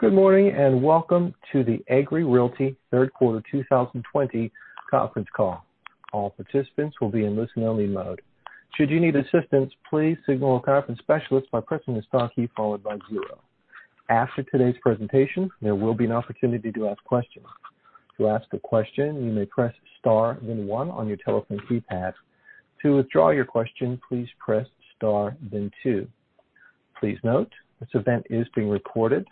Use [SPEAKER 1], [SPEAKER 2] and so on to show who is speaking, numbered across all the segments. [SPEAKER 1] Good morning, and welcome to the Agree Realty third quarter 2020 conference call. All participants will be in listen-only mode. Should you need assistance, please signal a conference specialist by pressing the star key followed by zero. After today's presentation, there will be an opportunity to ask questions. To ask a question, you may press star then one on your telephone keypad. To withdraw your question, please press star then two. Please note, this event is being recorded.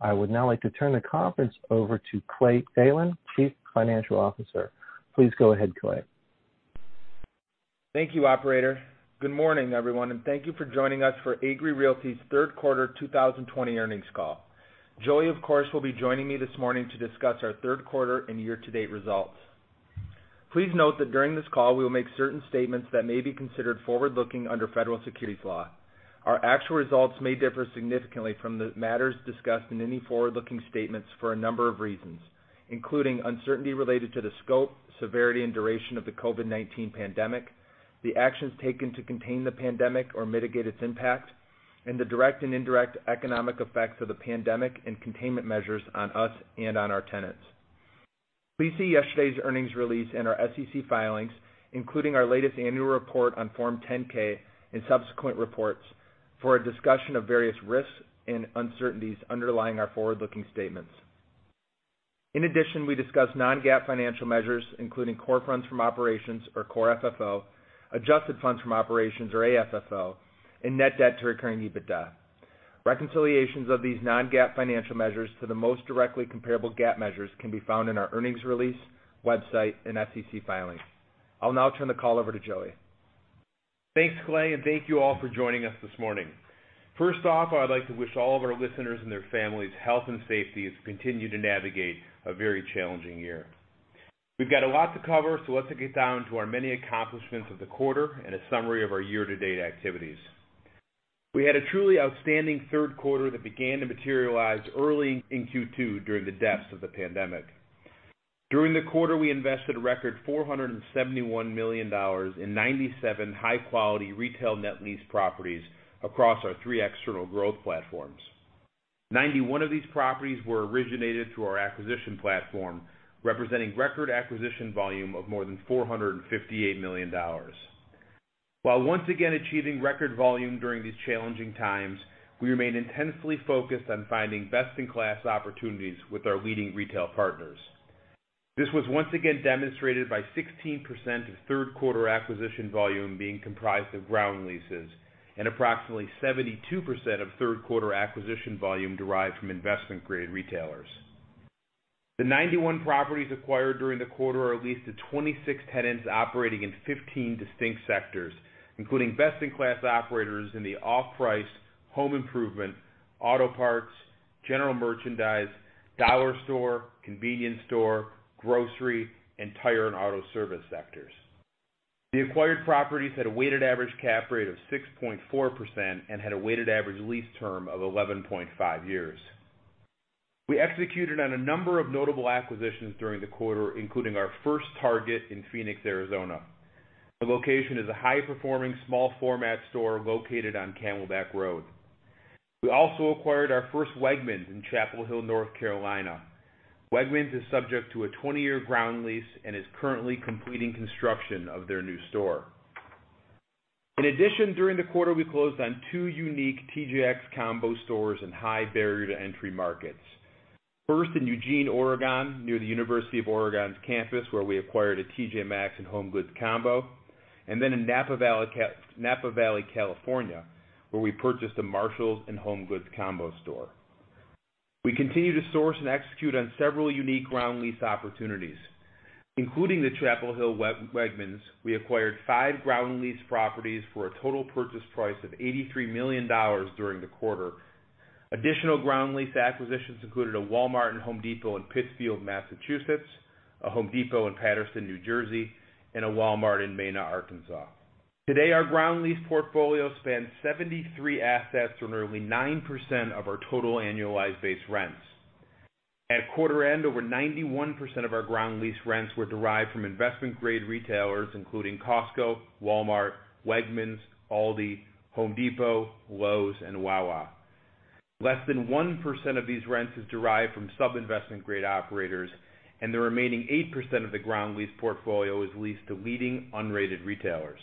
[SPEAKER 1] I would now like to turn the conference over to Clay Thelen, Chief Financial Officer. Please go ahead, Clay.
[SPEAKER 2] Thank you, operator. Good morning, everyone, and thank you for joining us for Agree Realty's third quarter 2020 earnings call. Joey, of course, will be joining me this morning to discuss our third quarter and year-to-date results. Please note that during this call, we will make certain statements that may be considered forward-looking under federal securities law. Our actual results may differ significantly from the matters discussed in any forward-looking statements for a number of reasons, including uncertainty related to the scope, severity, and duration of the COVID-19 pandemic; the actions taken to contain the pandemic or mitigate its impact; and the direct and indirect economic effects of the pandemic and containment measures on us and on our tenants. Please see yesterday's earnings release in our SEC filings, including our latest annual report on Form 10-K and subsequent reports for a discussion of various risks and uncertainties underlying our forward-looking statements. In addition, we discuss non-GAAP financial measures, including Core Funds from Operations or Core FFO, Adjusted Funds from Operations or AFFO, and net debt to recurring EBITDA. Reconciliations of these non-GAAP financial measures to the most directly comparable GAAP measures can be found in our earnings release, website, and SEC filings. I'll now turn the call over to Joey.
[SPEAKER 3] Thanks, Clay. Thank you all for joining us this morning. First off, I'd like to wish all of our listeners and their families health and safety as we continue to navigate a very challenging year. We've got a lot to cover. Let's get down to our many accomplishments of the quarter and a summary of our year-to-date activities. We had a truly outstanding third quarter that began to materialize early in Q2 during the depths of the pandemic. During the quarter, we invested a record $471 million in 97 high-quality retail net lease properties across our three external growth platforms. 91 of these properties were originated through our acquisition platform, representing a record acquisition volume of more than $458 million. While once again achieving record volume during these challenging times, we remain intensely focused on finding best-in-class opportunities with our leading retail partners. This was once again demonstrated by 16% of third quarter acquisition volume being comprised of ground leases and approximately 72% of third quarter acquisition volume derived from investment-grade retailers. The 91 properties acquired during the quarter are leased to 26 tenants operating in 15 distinct sectors, including best-in-class operators in the off-price, home improvement, auto parts, general merchandise, dollar store, convenience store, grocery, and tire and auto service sectors. The acquired properties had a weighted average cap rate of 6.4% and had a weighted average lease term of 11.5 years. We executed on a number of notable acquisitions during the quarter, including our first Target in Phoenix, Arizona. The location is a high-performing small-format store located on Camelback Road. We also acquired our first Wegmans in Chapel Hill, North Carolina. Wegmans is subject to a 20-year ground lease and is currently completing construction of their new store. In addition, during the quarter, we closed on two unique TJX combo stores in high-barrier-to-entry markets. First in Eugene, Oregon, near the University of Oregon's campus, where we acquired a TJ Maxx and HomeGoods combo, and then in Napa Valley, California, where we purchased a Marshalls and HomeGoods combo store. We continue to source and execute on several unique ground lease opportunities. Including the Chapel Hill Wegmans, we acquired five ground lease properties for a total purchase price of $83 million during the quarter. Additional ground lease acquisitions included a Walmart and Home Depot in Pittsfield, Massachusetts, a Home Depot in Paterson, New Jersey, and a Walmart in Mena, Arkansas. Today, our ground lease portfolio spans 73 assets, or nearly 9% of our total Annualized Base Rents. At quarter end, over 91% of our ground lease rents were derived from investment-grade retailers, including Costco, Walmart, Wegmans, ALDI, Home Depot, Lowe's, and Wawa. Less than 1% of these rents is derived from sub-investment grade operators, and the remaining 8% of the ground lease portfolio is leased to leading unrated retailers.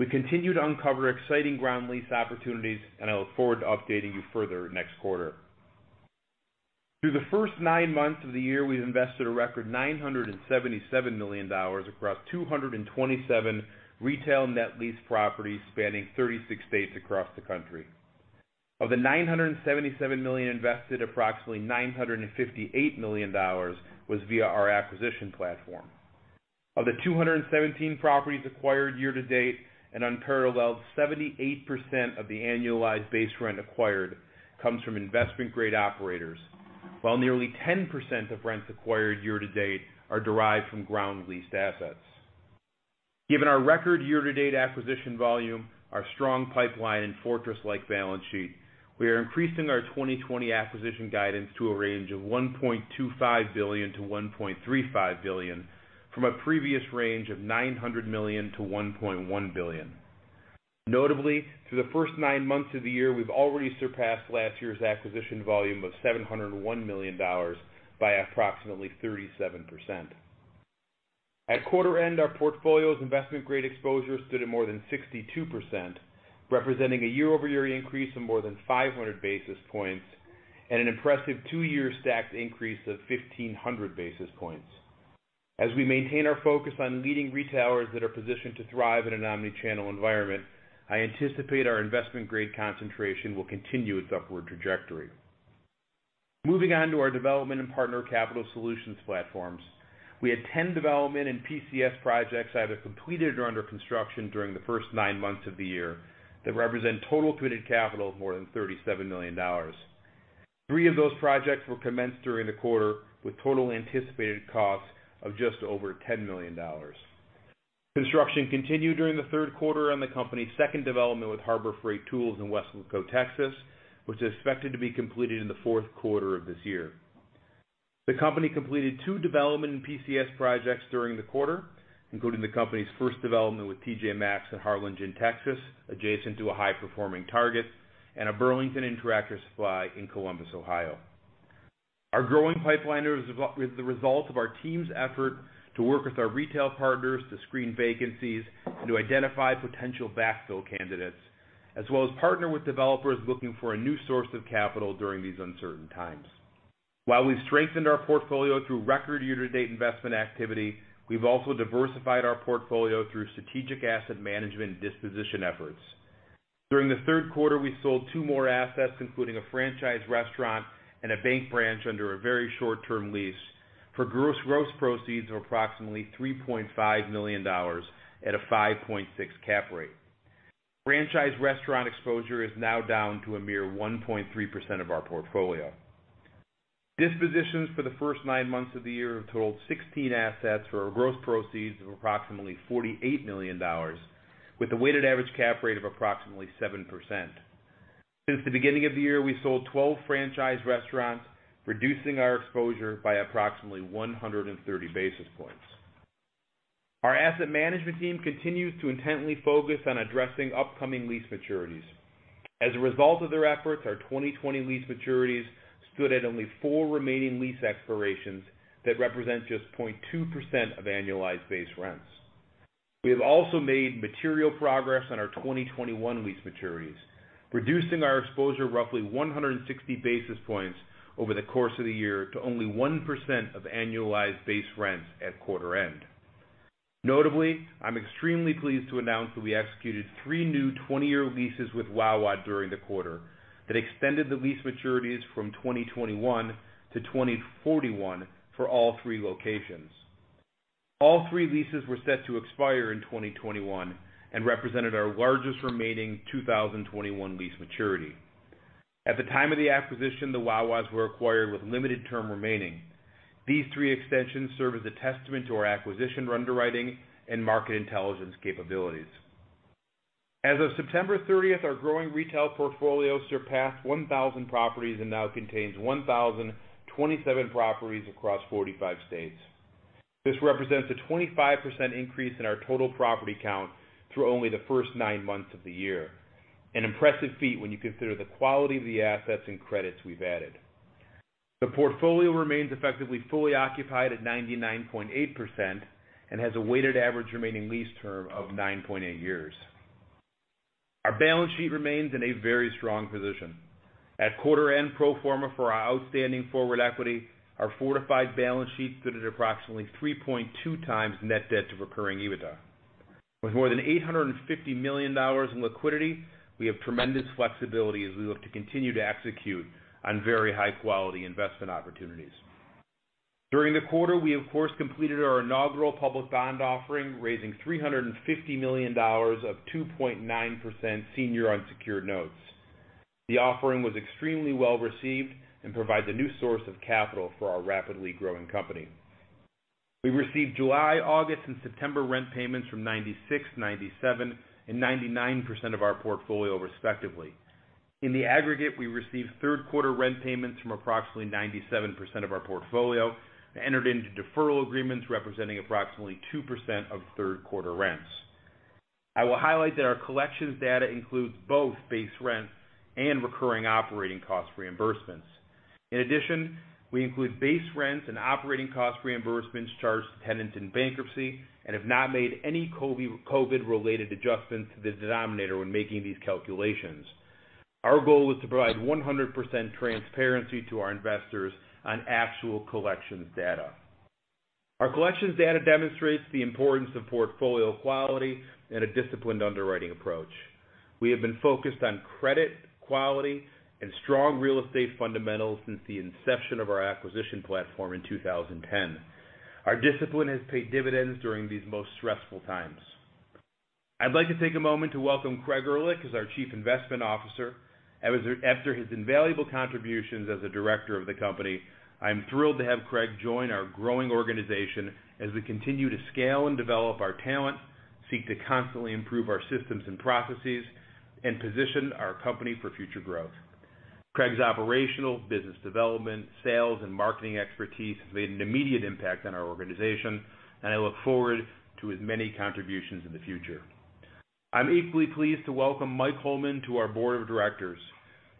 [SPEAKER 3] We continue to uncover exciting ground lease opportunities, and I look forward to updating you further next quarter. Through the first nine months of the year, we've invested a record $977 million across 227 retail net lease properties spanning 36 states across the country. Of the $977 million invested, approximately $958 million was via our acquisition platform. Of the 217 properties acquired year to date, an unparalleled 78% of the annualized base rent acquired comes from investment-grade operators. While nearly 10% of rents acquired year to date are derived from ground leased assets. Given our record year-to-date acquisition volume, our strong pipeline and fortress-like balance sheet, we are increasing our 2020 acquisition guidance to a range of $1.25 billion-$1.35 billion from a previous range of $900 million-$1.1 billion. Through the first nine months of the year, we've already surpassed last year's acquisition volume of $701 million by approximately 37%. At quarter-end, our portfolio's investment-grade exposure stood at more than 62%, representing a year-over-year increase of more than 500 basis points and an impressive two-year stacked increase of 1,500 basis points. As we maintain our focus on leading retailers that are positioned to thrive in an omnichannel environment, I anticipate our investment-grade concentration will continue its upward trajectory. Moving on to our development and Partner Capital Solutions platforms. We had 10 development and PCS projects either completed or under construction during the first nine months of the year that represent total committed capital of more than $37 million. Three of those projects were commenced during the quarter, with total anticipated costs of just over $10 million. Construction continued during the third quarter on the company's second development with Harbor Freight Tools in West Lubbock, Texas, which is expected to be completed in the fourth quarter of this year. The company completed two development and PCS projects during the quarter, including the company's first development with TJ Maxx in Harlingen, Texas, adjacent to a high-performing Target, and a Burlington and Tractor Supply in Columbus, Ohio. Our growing pipeline is the result of our team's effort to work with our retail partners to screen vacancies and to identify potential backfill candidates, as well as partner with developers looking for a new source of capital during these uncertain times. While we've strengthened our portfolio through record year-to-date investment activity, we've also diversified our portfolio through strategic asset management and disposition efforts. During the third quarter, we sold two more assets, including a franchise restaurant and a bank branch under a very short-term lease, for gross proceeds of approximately $3.5 million at a 5.6 cap rate. Franchise restaurant exposure is now down to a mere 1.3% of our portfolio. Dispositions for the first nine months of the year have totaled 16 assets for a gross proceeds of approximately $48 million, with a weighted average cap rate of approximately 7%. Since the beginning of the year, we sold 12 franchise restaurants, reducing our exposure by approximately 130 basis points. Our asset management team continues to intently focus on addressing upcoming lease maturities. As a result of their efforts, our 2020 lease maturities stood at only four remaining lease expirations that represent just 0.2% of annualized base rents. We have also made material progress on our 2021 lease maturities, reducing our exposure roughly 160 basis points over the course of the year to only 1% of annualized base rents at quarter end. Notably, I'm extremely pleased to announce that we executed three new 20-year leases with Wawa during the quarter that extended the lease maturities from 2021 to 2041 for all three locations. All three leases were set to expire in 2021 and represented our largest remaining 2021 lease maturity. At the time of the acquisition, the Wawas were acquired with limited term remaining. These three extensions serve as a testament to our acquisition underwriting and market intelligence capabilities. As of September 30th, our growing retail portfolio surpassed 1,000 properties and now contains 1,027 properties across 45 states. This represents a 25% increase in our total property count through only the first nine months of the year. An impressive feat when you consider the quality of the assets and credits we've added. The portfolio remains effectively fully occupied at 99.8% and has a weighted average remaining lease term of 9.8 years. Our balance sheet remains in a very strong position. At quarter end pro forma for our outstanding forward equity, our fortified balance sheet stood at approximately 3.2 times net debt to recurring EBITDA. With more than $850 million in liquidity, we have tremendous flexibility as we look to continue to execute on very high-quality investment opportunities. During the quarter, we, of course, completed our inaugural public bond offering, raising $350 million of 2.9% senior unsecured notes. The offering was extremely well-received and provides a new source of capital for our rapidly growing company. We received July, August, and September rent payments from 96%, 97%, and 99% of our portfolio, respectively. In the aggregate, we received third-quarter rent payments from approximately 97% of our portfolio and entered into deferral agreements representing approximately 2% of third-quarter rents. I will highlight that our collections data includes both base rent and recurring operating cost reimbursements. In addition, we include base rents and operating cost reimbursements charged to tenants in bankruptcy and have not made any COVID-related adjustments to the denominator when making these calculations. Our goal is to provide 100% transparency to our investors on actual collections data. Our collections data demonstrates the importance of portfolio quality and a disciplined underwriting approach. We have been focused on credit, quality, and strong real estate fundamentals since the inception of our acquisition platform in 2010. Our discipline has paid dividends during these most stressful times. I'd like to take a moment to welcome Craig Erlich as our Chief Investment Officer. After his invaluable contributions as a Director of the company, I am thrilled to have Craig join our growing organization as we continue to scale and develop our talent, seek to constantly improve our systems and processes, and position our company for future growth. Craig's operational, business development, sales, and marketing expertise has made an immediate impact on our organization, and I look forward to his many contributions in the future. I'm equally pleased to welcome Mike Hollman to our board of directors.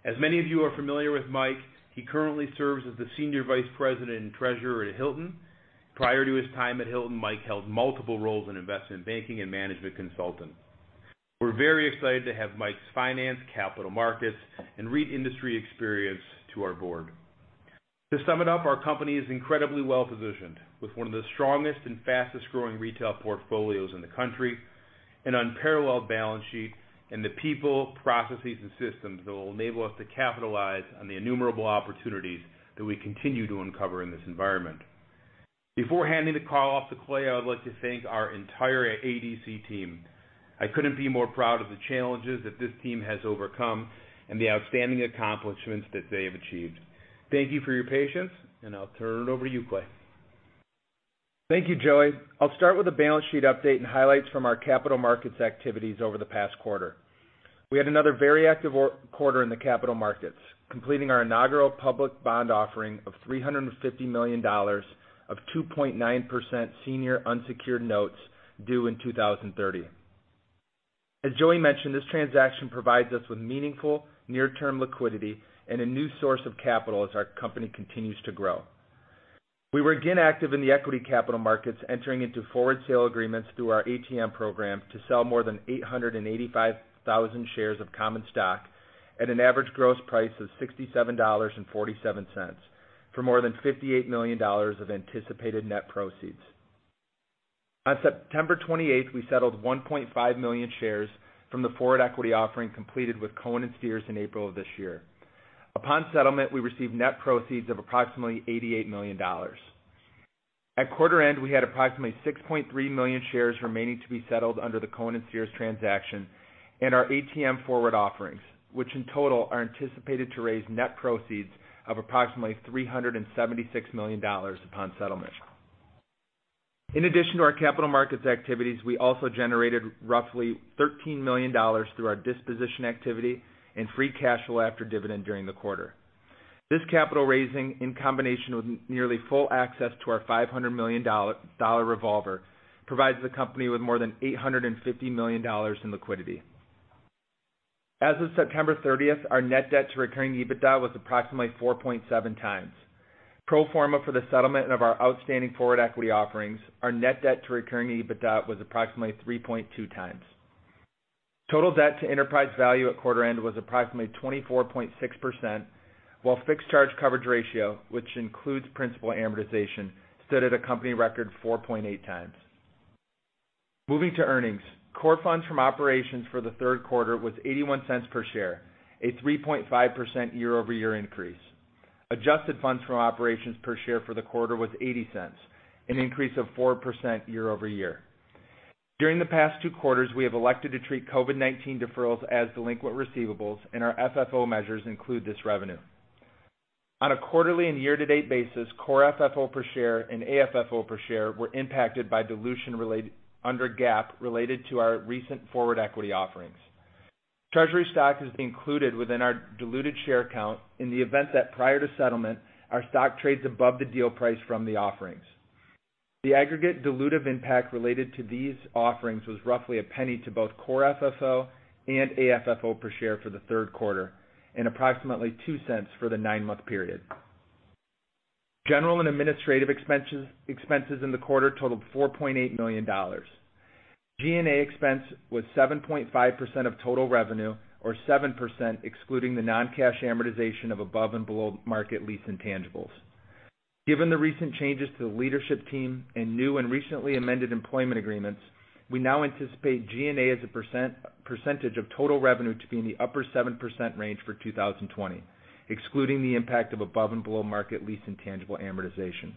[SPEAKER 3] As many of you are familiar with Mike, he currently serves as the Senior Vice President and Treasurer at Hilton. Prior to his time at Hilton, Mike held multiple roles in investment banking and management consulting. We're very excited to have Mike's finance, capital markets, and REIT industry experience to our board. To sum it up, our company is incredibly well-positioned, with one of the strongest and fastest-growing retail portfolios in the country, an unparalleled balance sheet, and the people, processes, and systems that will enable us to capitalize on the innumerable opportunities that we continue to uncover in this environment. Before handing the call off to Clay, I would like to thank our entire ADC team. I couldn't be more proud of the challenges that this team has overcome and the outstanding accomplishments that they have achieved. Thank you for your patience, and I'll turn it over to you, Clay.
[SPEAKER 2] Thank you, Joey. I'll start with a balance sheet update and highlights from our capital markets activities over the past quarter. We had another very active quarter in the capital markets, completing our inaugural public bond offering of $350 million of 2.9% senior unsecured notes due in 2030. As Joey mentioned, this transaction provides us with meaningful near-term liquidity and a new source of capital as our company continues to grow. We were again active in the equity capital markets, entering into forward sale agreements through our ATM program to sell more than 885,000 shares of common stock at an average gross price of $67.47 for more than $58 million of anticipated net proceeds. On September 28th, we settled 1.5 million shares from the forward equity offering completed with Cohen & Steers in April of this year. Upon settlement, we received net proceeds of approximately $88 million. At quarter end, we had approximately 6.3 million shares remaining to be settled under the Cohen & Steers transaction and our ATM forward offerings, which in total are anticipated to raise net proceeds of approximately $376 million upon settlement. In addition to our capital markets activities, we also generated roughly $13 million through our disposition activity and free cash flow after dividend during the quarter. This capital raising, in combination with nearly full access to our $500 million revolver, provides the company with more than $850 million in liquidity. As of September 30th, our net debt to recurring EBITDA was approximately 4.7 times. Pro forma for the settlement of our outstanding forward equity offerings, our net debt to recurring EBITDA was approximately 3.2 times. Total debt to enterprise value at quarter end was approximately 24.6%, while fixed charge coverage ratio, which includes principal amortization, stood at a company record 4.8 times. Moving to earnings. Core funds from operations for the third quarter was $0.81 per share, a 3.5% year-over-year increase. Adjusted funds from operations per share for the quarter was $0.80, an increase of 4% year-over-year. During the past two quarters, we have elected to treat COVID-19 deferrals as delinquent receivables, and our FFO measures include this revenue. On a quarterly and year-to-date basis, Core FFO per share and AFFO per share were impacted by dilution under GAAP related to our recent forward equity offerings. Treasury stock has been included within our diluted share count in the event that, prior to settlement, our stock trades above the deal price from the offerings. The aggregate dilutive impact related to these offerings was roughly $0.01 to both Core FFO and AFFO per share for the third quarter and approximately $0.02 for the nine-month period. General and administrative expenses in the quarter totaled $4.8 million. G&A expense was 7.5% of total revenue, or 7% excluding the non-cash amortization of above and below-market lease intangibles. Given the recent changes to the leadership team and new and recently amended employment agreements, we now anticipate G&A as a percentage of total revenue to be in the upper 7% range for 2020, excluding the impact of above and below-market lease intangible amortization.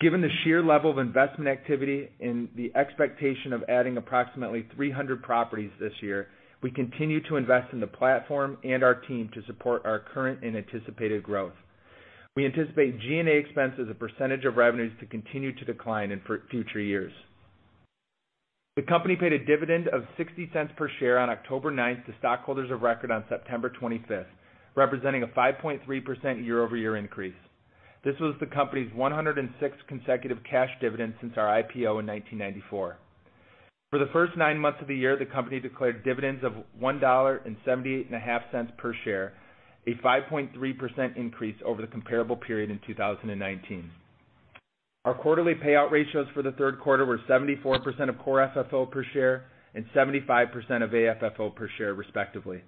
[SPEAKER 2] Given the sheer level of investment activity and the expectation of adding approximately 300 properties this year, we continue to invest in the platform and our team to support our current and anticipated growth. We anticipate G&A expense as a percentage of revenues to continue to decline in future years. The company paid a dividend of $0.60 per share on October 9th to stockholders of record on September 25th, representing a 5.3% year-over-year increase. This was the company's 106th consecutive cash dividend since our IPO in 1994. For the first nine months of the year, the company declared dividends of $1.785 per share, a 5.3% increase over the comparable period in 2019. Our quarterly payout ratios for the third quarter were 74% of core FFO per share and 75% of AFFO per share, respectively.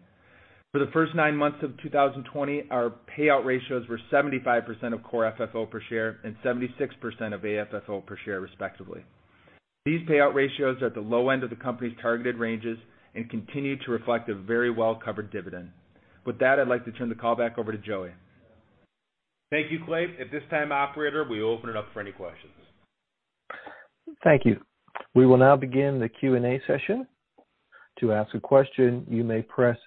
[SPEAKER 2] For the first nine months of 2020, our payout ratios were 75% of core FFO per share and 76% of AFFO per share, respectively. These payout ratios are at the low end of the company's targeted ranges and continue to reflect a very well-covered dividend. With that, I'd like to turn the call back over to Joey.
[SPEAKER 3] Thank you, Clay. At this time, operator, we open it up for any questions.
[SPEAKER 1] Thank you. We will now begin the Q&A session. To ask a question, you may press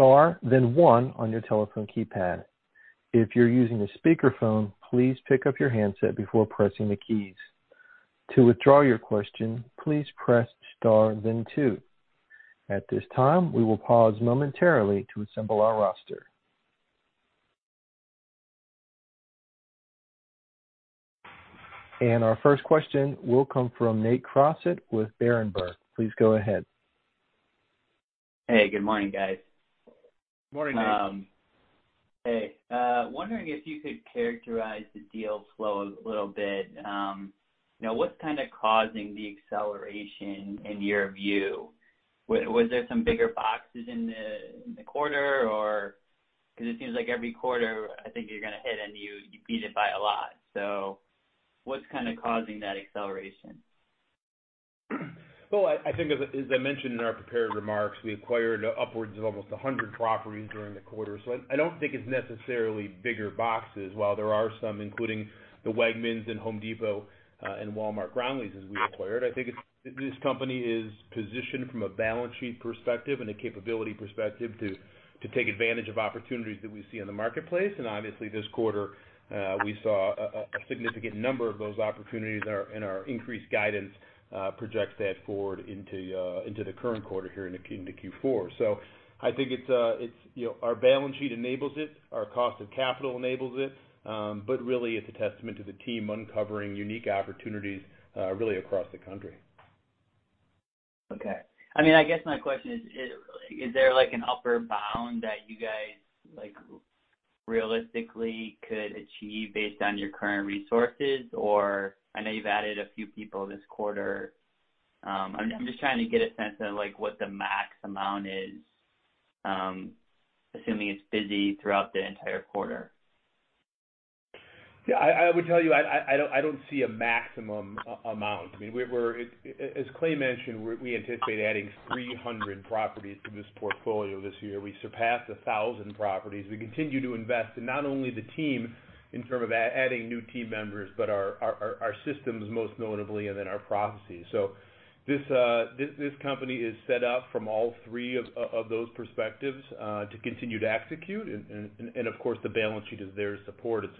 [SPEAKER 1] star then one on your telephone keypad if you are using a speakerphone, please pick up your handset before pressing the keys. To withdraw your question, please press star then two. At this time, we'll pause momentarily to assemble our roster. Our first question will come from Nate Crossett with Berenberg. Please go ahead.
[SPEAKER 4] Hey, good morning, guys.
[SPEAKER 3] Morning, Nate.
[SPEAKER 4] Hey. Wondering if you could characterize the deal flow a little bit. What's kind of causing the acceleration in your view? Was there some bigger boxes in the quarter? Because it seems like every quarter, I think you're going to hit and you beat it by a lot. What's causing that acceleration?
[SPEAKER 3] I think as I mentioned in our prepared remarks, we acquired upwards of almost 100 properties during the quarter. I don't think it's necessarily bigger boxes. While there are some, including the Wegmans and Home Depot and Walmart ground leases we acquired. I think this company is positioned from a balance sheet perspective and a capability perspective to take advantage of opportunities that we see in the marketplace. This quarter, we saw a significant number of those opportunities, and our increased guidance projects that forward into the current quarter here in the Q4. I think our balance sheet enables it, our cost of capital enables it. It's a testament to the team uncovering unique opportunities, really across the country.
[SPEAKER 4] Okay. I guess my question is there like an upper bound that you guys realistically could achieve based on your current resources? I know you've added a few people this quarter. I'm just trying to get a sense of what the max amount is, assuming it's busy throughout the entire quarter.
[SPEAKER 3] I would tell you, I don't see a maximum amount. As Clay mentioned, we anticipate adding 300 properties to this portfolio this year. We surpassed 1,000 properties. We continue to invest in not only the team in terms of adding new team members, but our systems, most notably, and then our properties. This company is set up from all three of those perspectives to continue to execute, and, of course, the balance sheet is there to support it.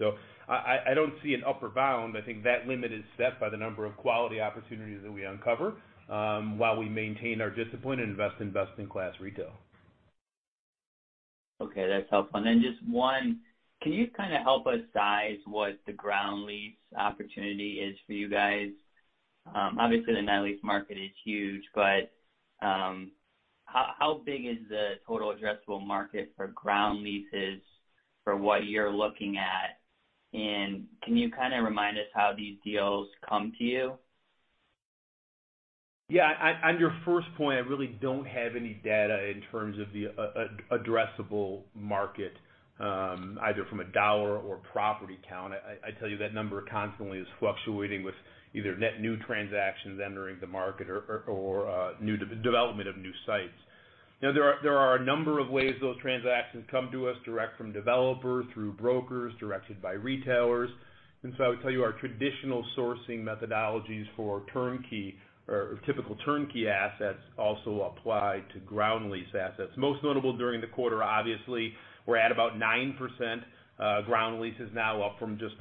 [SPEAKER 3] I don't see an upper bound. I think that limit is set by the number of quality opportunities that we uncover, while we maintain our discipline and invest in best in class retail.
[SPEAKER 4] Okay. That's helpful. Just one, can you kind of help us size what the ground lease opportunity is for you guys? Obviously, the net lease market is huge, but how big is the total addressable market for ground leases for what you're looking at? Can you kind of remind us how these deals come to you?
[SPEAKER 3] Yeah. On your first point, I really don't have any data in terms of the addressable market, either from a dollar or property count. I tell you that number constantly is fluctuating with either net new transactions entering the market or development of new sites. There are a number of ways those transactions come to us: direct from developers, through brokers, directed by retailers. I would tell you, our traditional sourcing methodologies for turnkey or typical turnkey assets also apply to ground lease assets. Most notable during the quarter, obviously, we're at about 9% ground leases now, up from just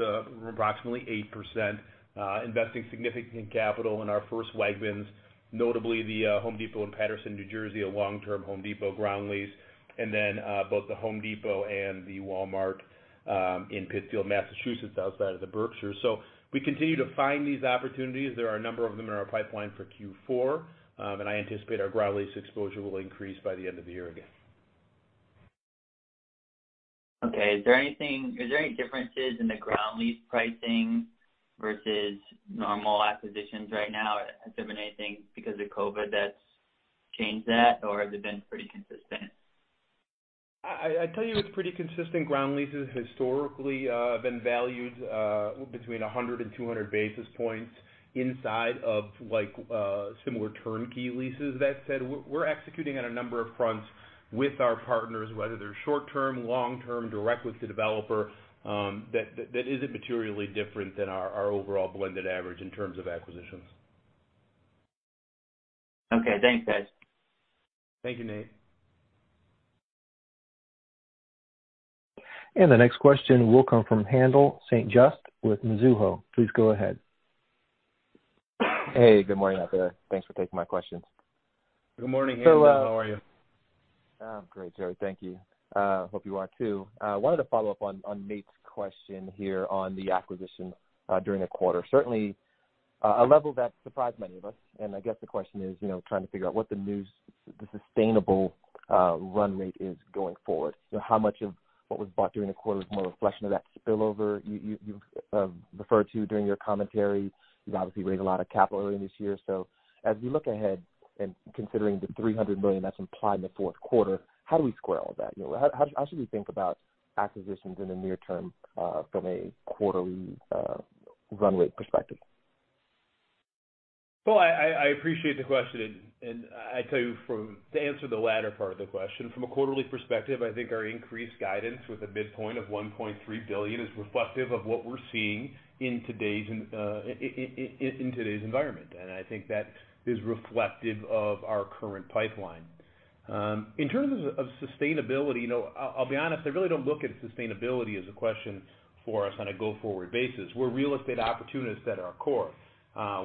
[SPEAKER 3] approximately 8%, investing significant capital in our first Wegmans, notably the Home Depot in Paterson, New Jersey, a long-term Home Depot ground lease, and then both the Home Depot and the Walmart in Pittsfield, Massachusetts, outside of the Berkshires. We continue to find these opportunities. There are a number of them in our pipeline for Q4. I anticipate our ground lease exposure will increase by the end of the year again.
[SPEAKER 4] Okay. Is there any differences in the ground lease pricing versus normal acquisitions right now? Has there been anything because of COVID that's changed that, or have they been pretty consistent?
[SPEAKER 3] I tell you it's pretty consistent. Ground leases historically have been valued between 100 and 200 basis points inside of similar turnkey leases. We're executing on a number of fronts with our partners, whether they're short-term, long-term, direct with the developer; that isn't materially different than our overall blended average in terms of acquisitions.
[SPEAKER 4] Okay. Thanks, guys.
[SPEAKER 3] Thank you, Nate.
[SPEAKER 1] The next question will come from Haendel St. Juste with Mizuho. Please go ahead.
[SPEAKER 5] Hey, good morning out there. Thanks for taking my questions.
[SPEAKER 3] Good morning, Haendel. How are you?
[SPEAKER 5] I'm great, Joey. Thank you. Hope you are too. Wanted to follow up on Nate's question here on the acquisition during the quarter. Certainly a level that surprised many of us. I guess the question is trying to figure out what the sustainable run rate is going forward. How much of what was bought during the quarter is more a reflection of that spillover you've referred to during your commentary? You've obviously raised a lot of capital earlier this year. As we look ahead and considering the $300 million that's implied in the fourth quarter, how do we square all that? How should we think about acquisitions in the near term from a quarterly run rate perspective?
[SPEAKER 3] I appreciate the question, and I tell you, to answer the latter part of the question, from a quarterly perspective, I think our increased guidance with a midpoint of $1.3 billion is reflective of what we're seeing in today's environment. I think that is reflective of our current pipeline. In terms of sustainability, I'll be honest, I really don't look at sustainability as a question for us on a go-forward basis. We're real estate opportunists at our core.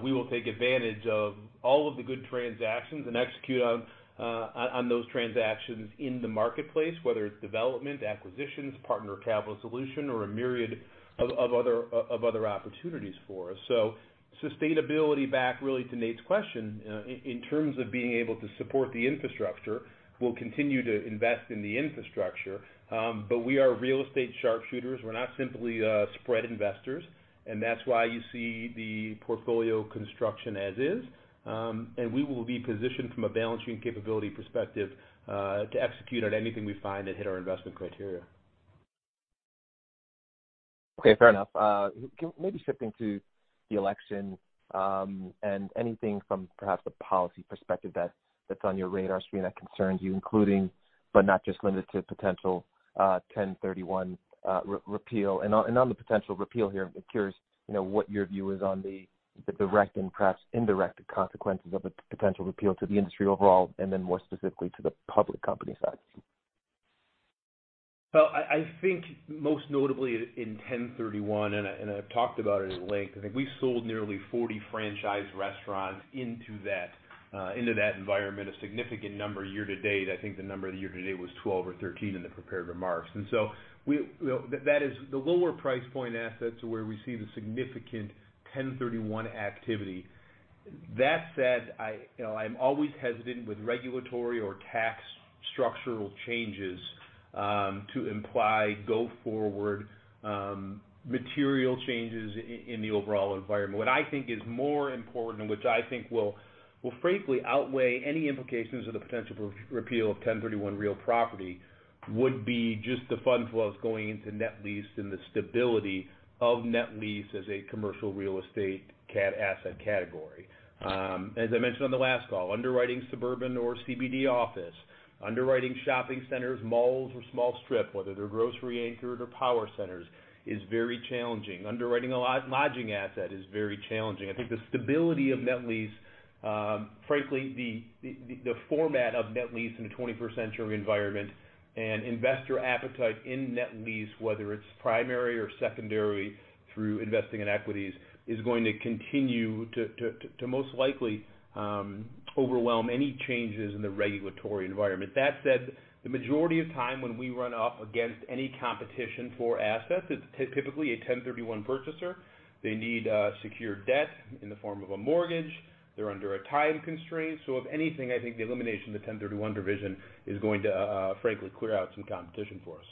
[SPEAKER 3] We will take advantage of all of the good transactions and execute on those transactions in the marketplace, whether it's development, acquisitions, partner capital solutions, or a myriad of other opportunities for us. Sustainability, back really to Nate's question, in terms of being able to support the infrastructure, we'll continue to invest in the infrastructure. We are real estate sharpshooters. We're not simply spread investors, and that's why you see the portfolio construction as is. We will be positioned from a balance sheet and capability perspective to execute on anything we find that hits our investment criteria.
[SPEAKER 5] Okay, fair enough. Maybe shifting to the election, anything from perhaps the policy perspective that's on your radar screen that concerns you, including, but not just limited to potential 1031 repeal. On the potential repeal here, I'm curious what your view is on the direct and perhaps indirect consequences of a potential repeal to the industry overall and then more specifically to the public company side?
[SPEAKER 3] I think most notably in 1031, and I've talked about it at length. I think we sold nearly 40 franchise restaurants into that environment, a significant number year to date. I think the number year-to-date was 12 or 13 in the prepared remarks. That is the lower price point assets where we see the significant 1031 activity. That said, I'm always hesitant with regulatory or tax structural changes to imply go forward material changes in the overall environment. What I think is more important, and which I think will frankly outweigh any implications of the potential repeal of 1031 real property, would be just the fund flows going into net lease and the stability of net lease as a commercial real estate asset category. As I mentioned on the last call, underwriting suburban or CBD office, underwriting shopping centers, malls, or small strips, whether they're grocery-anchored or power centers, is very challenging. Underwriting a lodging asset is very challenging. I think the stability of net lease, frankly, the format of net lease in a 21st-century environment, and investor appetite in net lease, whether it's primary or secondary through investing in equities, is going to continue to most likely overwhelm any changes in the regulatory environment. That said, the majority of time when we run up against any competition for assets, it's typically a 1031 purchaser. They need secured debt in the form of a mortgage. They're under a time constraint. If anything, I think the elimination of the 1031 division is going to frankly clear out some competition for us.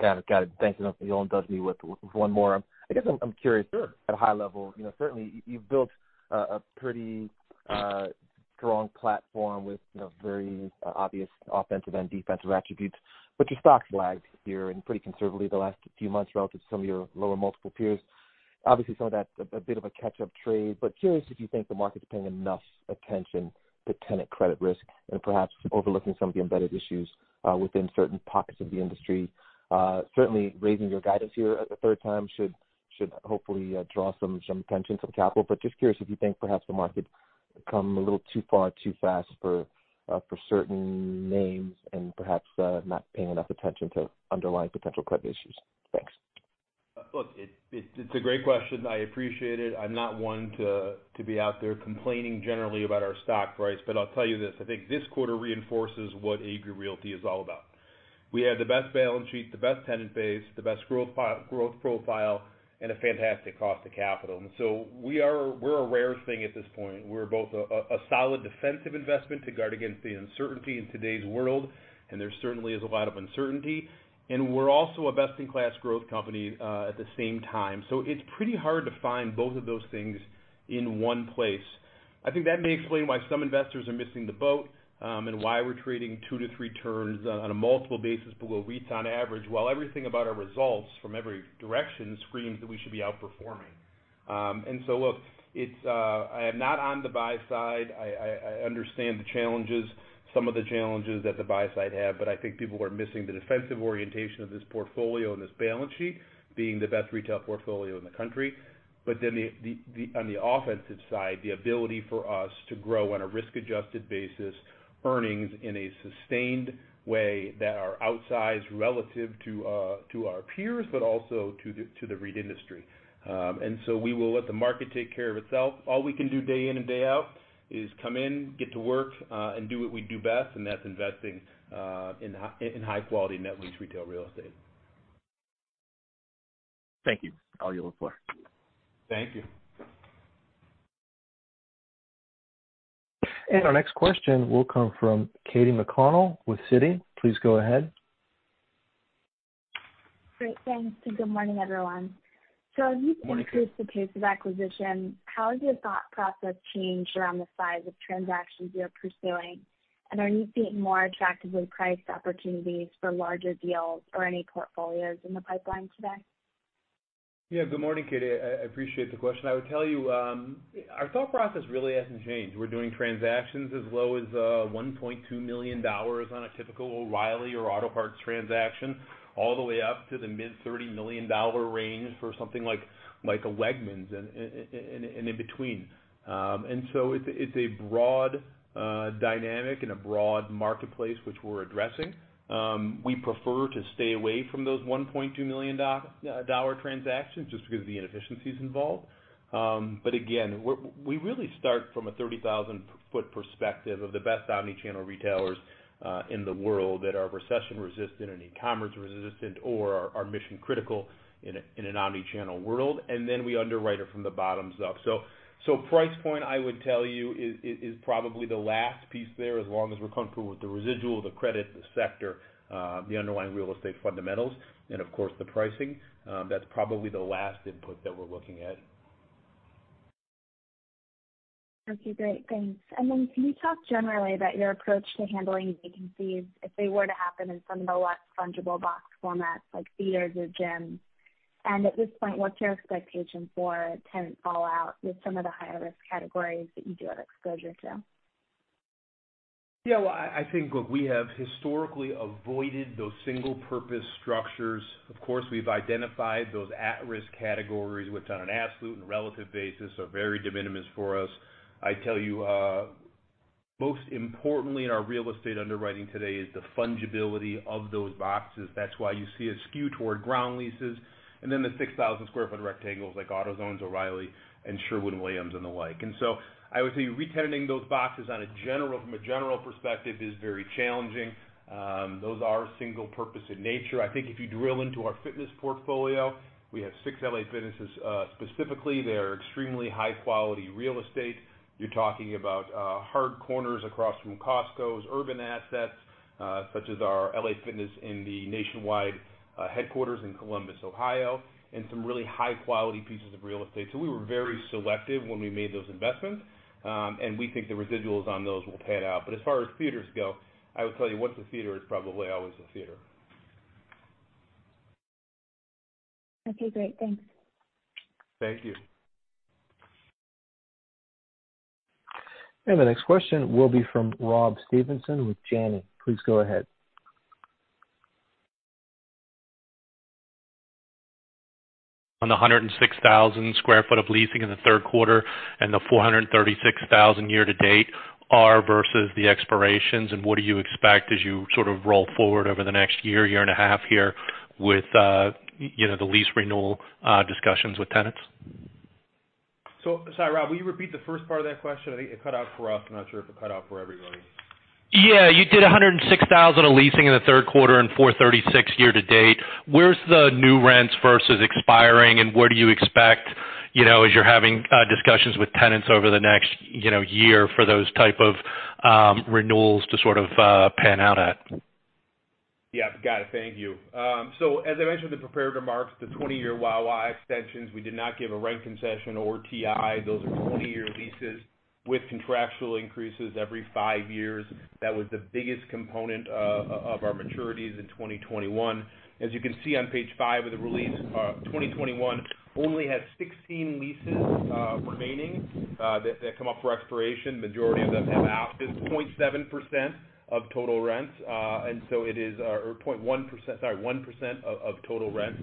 [SPEAKER 5] Got it. Thank you. If you'll indulge me with one more.
[SPEAKER 3] Sure
[SPEAKER 5] At a high level. Certainly, you've built a pretty strong platform with very obvious offensive and defensive attributes, but your stock's lagged here pretty conservatively the last few months relative to some of your lower-multiple peers. Obviously, some of that's a bit of a catch-up trade. Curious if you think the market's paying enough attention to tenant credit risk and perhaps overlooking some of the embedded issues within certain pockets of the industry. Certainly raising your guidance here a third time should hopefully draw some attention, some capital. Just curious if you think perhaps the market come a little too far too fast for certain names and perhaps not paying enough attention to underlying potential credit issues. Thanks.
[SPEAKER 3] Look, it's a great question. I appreciate it. I'm not one to be out there complaining generally about our stock price. I'll tell you this. I think this quarter reinforces what Agree Realty is all about. We have the best balance sheet, the best tenant base, the best growth profile, and a fantastic cost of capital. We're a rare thing at this point. We're both a solid defensive investment to guard against the uncertainty in today's world, and there certainly is a lot of uncertainty. We're also a best-in-class growth company at the same time. It's pretty hard to find both of those things in one place. I think that may explain why some investors are missing the boat and why we're trading two to three turns on a multiple basis below REITs on average, while everything about our results from every direction screams that we should be outperforming. Look, I am not on the buy side. I understand the challenges, some of the challenges that the buy side have. I think people are missing the defensive orientation of this portfolio and this balance sheet being the best retail portfolio in the country. On the offensive side, the ability for us to grow on a risk-adjusted basis, earnings in a sustained way that are outsized relative to our peers, but also to the REIT industry. We will let the market take care of itself. All we can do day in and day out is come in, get to work, and do what we do best, and that's investing in high-quality net lease retail real estate.
[SPEAKER 5] Thank you. All you look for.
[SPEAKER 3] Thank you.
[SPEAKER 1] Our next question will come from Katy McConnell with Citi. Please go ahead.
[SPEAKER 6] Great, thanks. Good morning, everyone.
[SPEAKER 3] Morning.
[SPEAKER 6] As you increase the pace of acquisition, how has your thought process changed around the size of transactions you're pursuing? Are you seeing more attractively priced opportunities for larger deals or any portfolios in the pipeline today?
[SPEAKER 3] Yeah. Good morning, Katy. I appreciate the question. I would tell you, our thought process really hasn't changed. We're doing transactions as low as $1.2 million on a typical O'Reilly or Auto Parts transaction, all the way up to the mid-$30 million range for something like a Wegmans, and in between. It's a broad dynamic and a broad marketplace which we're addressing. We prefer to stay away from those $1.2 million transactions just because of the inefficiencies involved. Again, we really start from a 30,000-foot perspective of the best omni-channel retailers in the world that are recession resistant and e-commerce resistant or are mission critical in an omni-channel world. Then we underwrite it from the bottoms up. Price point, I would tell you, is probably the last piece there as long as we're comfortable with the residual, the credit, the sector, the underlying real estate fundamentals, and, of course, the pricing. That's probably the last input that we're looking at.
[SPEAKER 6] Okay, great. Thanks. Can you talk generally about your approach to handling vacancies if they were to happen in some of the less fungible box formats like theaters or gyms? At this point, what's your expectation for tenant fallout with some of the higher-risk categories that you do have exposure to?
[SPEAKER 3] Yeah, well, I think, look, we have historically avoided those single-purpose structures. Of course, we've identified those at-risk categories, which on an absolute and relative basis are very de minimis for us. I tell you, most importantly in our real estate underwriting today is the fungibility of those boxes. That's why you see a skew toward ground leases and then the 6,000 square foot rectangles like AutoZone, O'Reilly, and Sherwin-Williams, and the like. I would say re-tenanting those boxes from a general perspective is very challenging. Those are single-purpose in nature. I think if you drill into our fitness portfolio, we have six LA Fitnesses specifically. They are extremely high-quality real estate. You're talking about hard corners across from Costcos; urban assets, such as our LA Fitness in the nationwide headquarters in Columbus, Ohio; and some really high-quality pieces of real estate. We were very selective when we made those investments. We think the residuals on those will pan out. As far as theaters go, I would tell you once a theater is probably always a theater.
[SPEAKER 6] Okay, great. Thanks.
[SPEAKER 3] Thank you.
[SPEAKER 1] The next question will be from Rob Stevenson with Janney. Please go ahead.
[SPEAKER 7] On the 106,000 sq ft of leasing in the third quarter and the 436,000 year-to-date versus the expirations, what do you expect as you sort of roll forward over the next year and a half here with the lease renewal discussions with tenants?
[SPEAKER 3] Sorry, Rob, will you repeat the first part of that question? I think it cut out for us. I'm not sure if it cut out for everybody.
[SPEAKER 7] Yeah. You did 106,000 of leasing in the third quarter and 436 year-to-date. Where's the new rents
[SPEAKER 3] Yeah, got it. Thank you. As I mentioned in the prepared remarks, the 20-year Wawa extensions, we did not give a rent concession or TI. Those are 20-year leases with contractual increases every five years. That was the biggest component of our maturities in 2021. As you can see on page five of the release, 2021 only has 16 leases remaining that come up for expiration. Majority of them have ABR; it's 0.7% of total rents. 0.1%—sorry, 1% of total rents.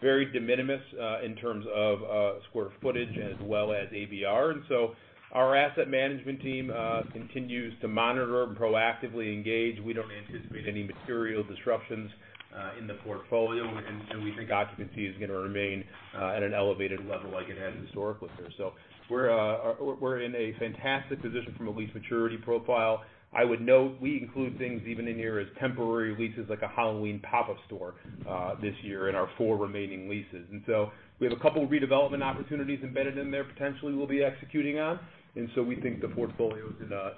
[SPEAKER 3] Very de minimis, in terms of square footage as well as ABR. Our asset management team continues to monitor and proactively engage. We don't anticipate any material disruptions in the portfolio; we think occupancy is going to remain at an elevated level like it has historically. We're in a fantastic position from a lease maturity profile. I would note we include things even in here as temporary leases, like a Halloween pop-up store this year in our four remaining leases. We have a couple of redevelopment opportunities embedded in there potentially we'll be executing on. We think the portfolio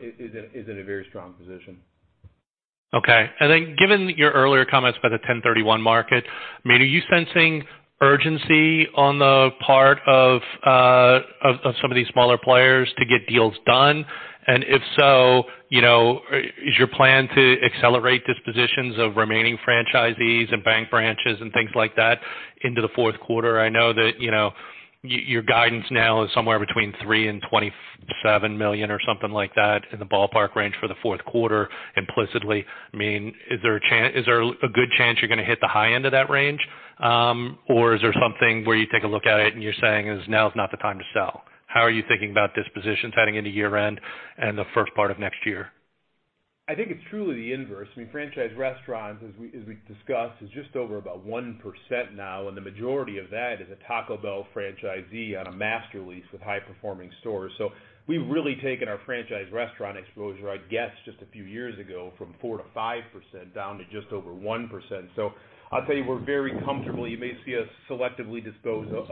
[SPEAKER 3] is in a very strong position.
[SPEAKER 7] Okay. Given your earlier comments about the 1031 market, are you sensing urgency on the part of some of these smaller players to get deals done? If so, is your plan to accelerate dispositions of remaining franchisees and bank branches and things like that into the fourth quarter? I know that your guidance now is somewhere between $3 million and $27 million or something like that in the ballpark range for the fourth quarter, implicitly. Is there a good chance you're going to hit the high end of that range? Is there something where you take a look at it and you're saying now's not the time to sell"? How are you thinking about dispositions heading into year-end and the first part of next year?
[SPEAKER 3] I think it's truly the inverse. Franchise restaurants, as we discussed, is just over about 1% now. The majority of that is a Taco Bell franchisee on a master lease with high-performing stores. We've really taken our franchise restaurant exposure, I'd guess just a few years ago, from 4%-5% down to just over 1%. I'll tell you, we're very comfortable. You may see us selectively dispose of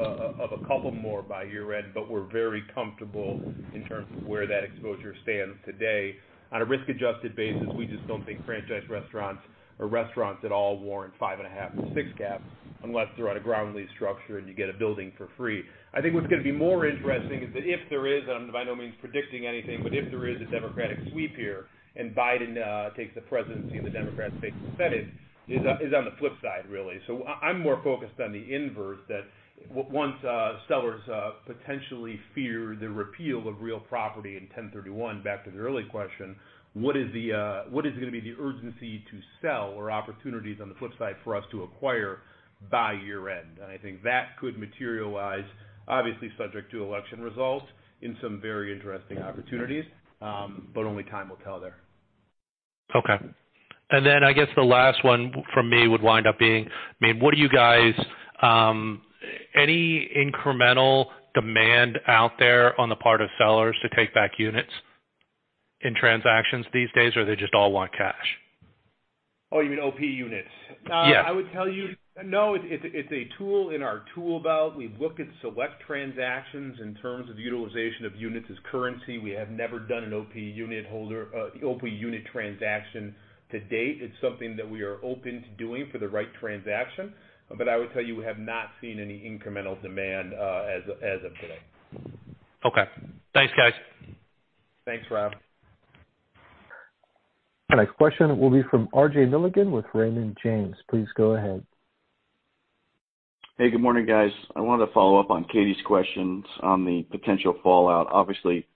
[SPEAKER 3] a couple more by year-end; we're very comfortable in terms of where that exposure stands today. On a risk-adjusted basis, we just don't think franchise restaurants or restaurants at all warrant 5.5-6 caps unless they're on a ground lease structure and you get a building for free. I think what's going to be more interesting is that if there is, and I'm by no means predicting anything, but if there is a Democratic sweep here and Biden takes the presidency and the Democrats take the Senate, is on the flip side, really. I'm more focused on the inverse that once sellers potentially fear the repeal of real property in 1031, back to the earlier question, what is going to be the urgency to sell or opportunities on the flip side for us to acquire by year-end? I think that could materialize, obviously subject to election results, in some very interesting opportunities, but only time will tell there.
[SPEAKER 7] Okay. I guess the last one from me would wind up being, any incremental demand out there on the part of sellers to take back units in transactions these days, or they just all want cash?
[SPEAKER 3] Oh, you mean OP units?
[SPEAKER 7] Yes.
[SPEAKER 3] I would tell you no; it's a tool in our toolbelt. We've looked at select transactions in terms of utilization of units as currency. We have never done an OP unit transaction to date. It's something that we are open to doing for the right transaction. I would tell you, we have not seen any incremental demand as of today.
[SPEAKER 7] Okay. Thanks, guys.
[SPEAKER 3] Thanks, Rob.
[SPEAKER 1] Our next question will be from R.J. Milligan with Raymond James. Please go ahead.
[SPEAKER 8] Hey, good morning, guys. I wanted to follow up on Katy's questions on the potential fallout. Obviously,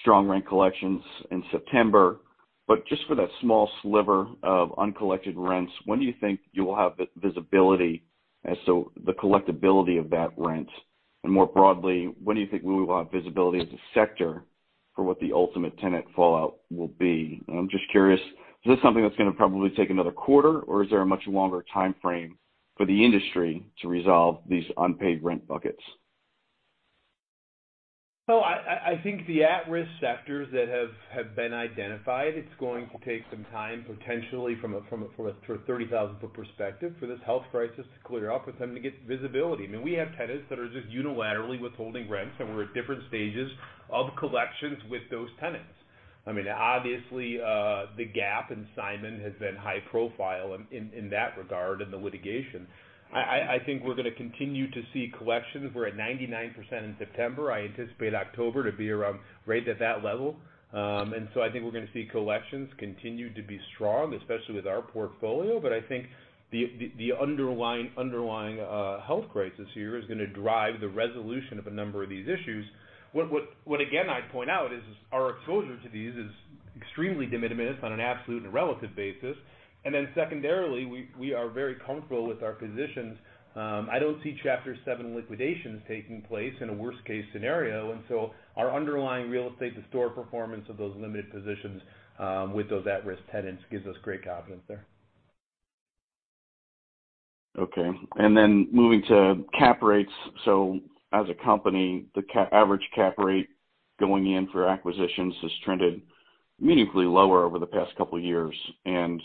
[SPEAKER 8] strong rent collections in September, but just for that small sliver of uncollected rents, when do you think you will have visibility as to the collectibility of that rent? More broadly, when do you think we will have visibility as a sector for what the ultimate tenant fallout will be? I'm just curious, is this something that's going to probably take another quarter, or is there a much longer timeframe for the industry to resolve these unpaid rent buckets?
[SPEAKER 3] I think the at-risk sectors that have been identified, it's going to take some time, potentially from a 30,000-foot perspective, for this health crisis to clear up for them to get visibility. We have tenants that are just unilaterally withholding rents, and we're at different stages of collections with those tenants. Obviously, the Gap and Simon has been high-profile in that regard and the litigation. I think we're going to continue to see collections. We're at 99% in September. I anticipate October to be around right at that level. I think we're going to see collections continue to be strong, especially with our portfolio. I think the underlying health crisis here is going to drive the resolution of a number of these issues. What, again, I'd point out is our exposure to these is extremely de minimis on an absolute and relative basis. Then secondarily, we are very comfortable with our positions. I don't see Chapter 7 liquidations taking place in a worst-case scenario. So our underlying real estate, the store performance of those limited positions with those at-risk tenants, gives us great confidence there.
[SPEAKER 8] Moving to cap rates. As a company, the average cap rate going in for acquisitions has trended meaningfully lower over the past couple of years. I'm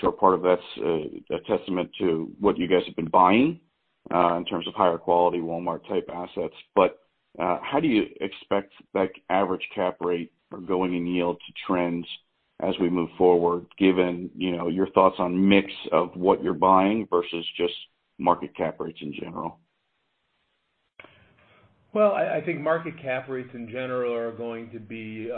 [SPEAKER 8] sure part of that's a testament to what you guys have been buying in terms of higher-quality Walmart-type assets. How do you expect that average cap rate or going-in yield to trend as we move forward, given your thoughts on mix of what you're buying versus just market cap rates in general?
[SPEAKER 3] I think market cap rates in general are going to be,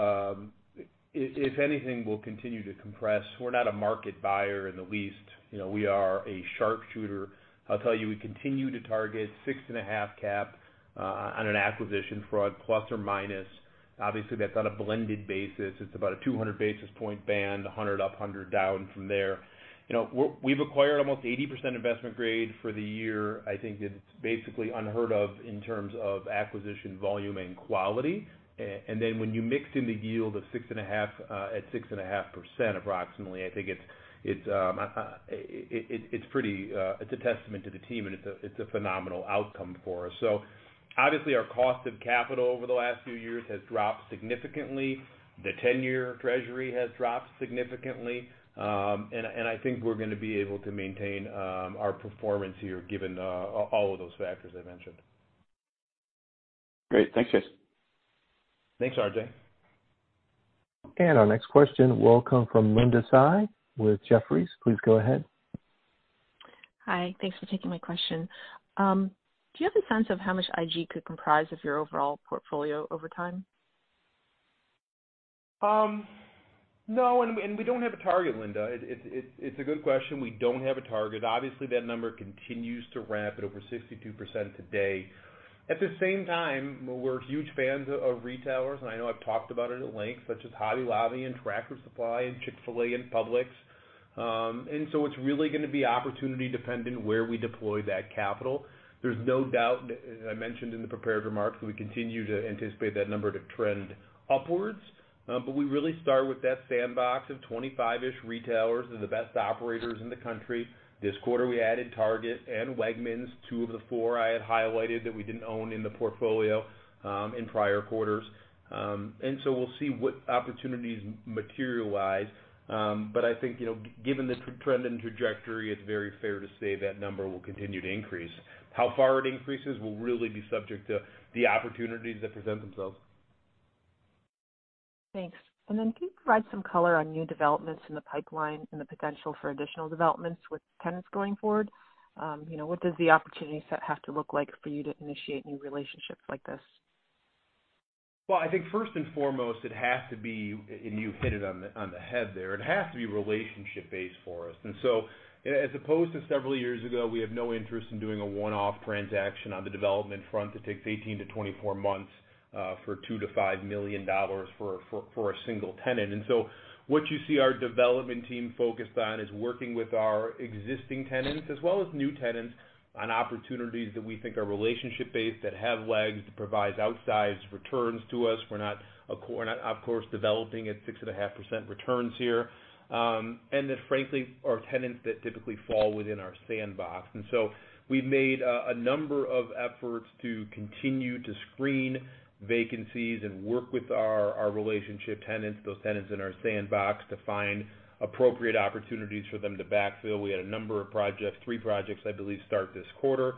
[SPEAKER 3] if anything, will continue to compress. We're not a market buyer in the least. We are sharpshooters. I'll tell you, we continue to target 6.5 cap on an acquisition front, plus or minus. That's on a blended basis. It's about a 200 basis point band, 100 up, 100 down from there. We've acquired almost 80% investment grade for the year. I think it's basically unheard of in terms of acquisition volume and quality. When you mix in the yield at 6.5% approximately, I think it's a testament to the team, and it's a phenomenal outcome for us. Our cost of capital over the last few years has dropped significantly. The 10-year treasury has dropped significantly. I think we're going to be able to maintain our performance here given all of those factors I mentioned.
[SPEAKER 8] Great. Thanks, guys.
[SPEAKER 3] Thanks, R.J.
[SPEAKER 1] Our next question will come from Linda Tsai with Jefferies. Please go ahead.
[SPEAKER 9] Hi. Thanks for taking my question. Do you have a sense of how much IG could comprise of your overall portfolio over time?
[SPEAKER 3] No, we don't have a target, Linda. It's a good question. We don't have a target. Obviously, that number continues to ramp at over 62% today. At the same time, we're huge fans of retailers, and I know I've talked about it at length, such as Hobby Lobby and Tractor Supply and Chick-fil-A and Publix. It's really going to be opportunity-dependent where we deploy that capital. There's no doubt, as I mentioned in the prepared remarks, we continue to anticipate that number to trend upwards. We really start with that sandbox of 25-ish retailers are the best operators in the country. This quarter, we added Target and Wegmans, two of the four I had highlighted that we didn't own in the portfolio in prior quarters. We'll see what opportunities materialize. I think given the trend and trajectory, it's very fair to say that number will continue to increase. How far it increases will really be subject to the opportunities that present themselves.
[SPEAKER 9] Thanks. Can you provide some color on new developments in the pipeline and the potential for additional developments with tenants going forward? What does the opportunity set have to look like for you to initiate new relationships like this?
[SPEAKER 3] Well, I think first and foremost, and you've hit it on the head there, it has to be relationship-based for us. As opposed to several years ago, we have no interest in doing a one-off transaction on the development front that takes 18 to 24 months for $2 million-$5 million for a single tenant. What you see our development team focused on is working with our existing tenants, as well as new tenants, on opportunities that we think are relationship-based, that have legs, that provide outsized returns to us. We're not, of course, developing at 6.5% returns here. That frankly are tenants that typically fall within our sandbox. We've made a number of efforts to continue to screen vacancies and work with our relationship tenants, those tenants in our sandbox, to find appropriate opportunities for them to backfill. We had a number of projects; three projects, I believe, start this quarter.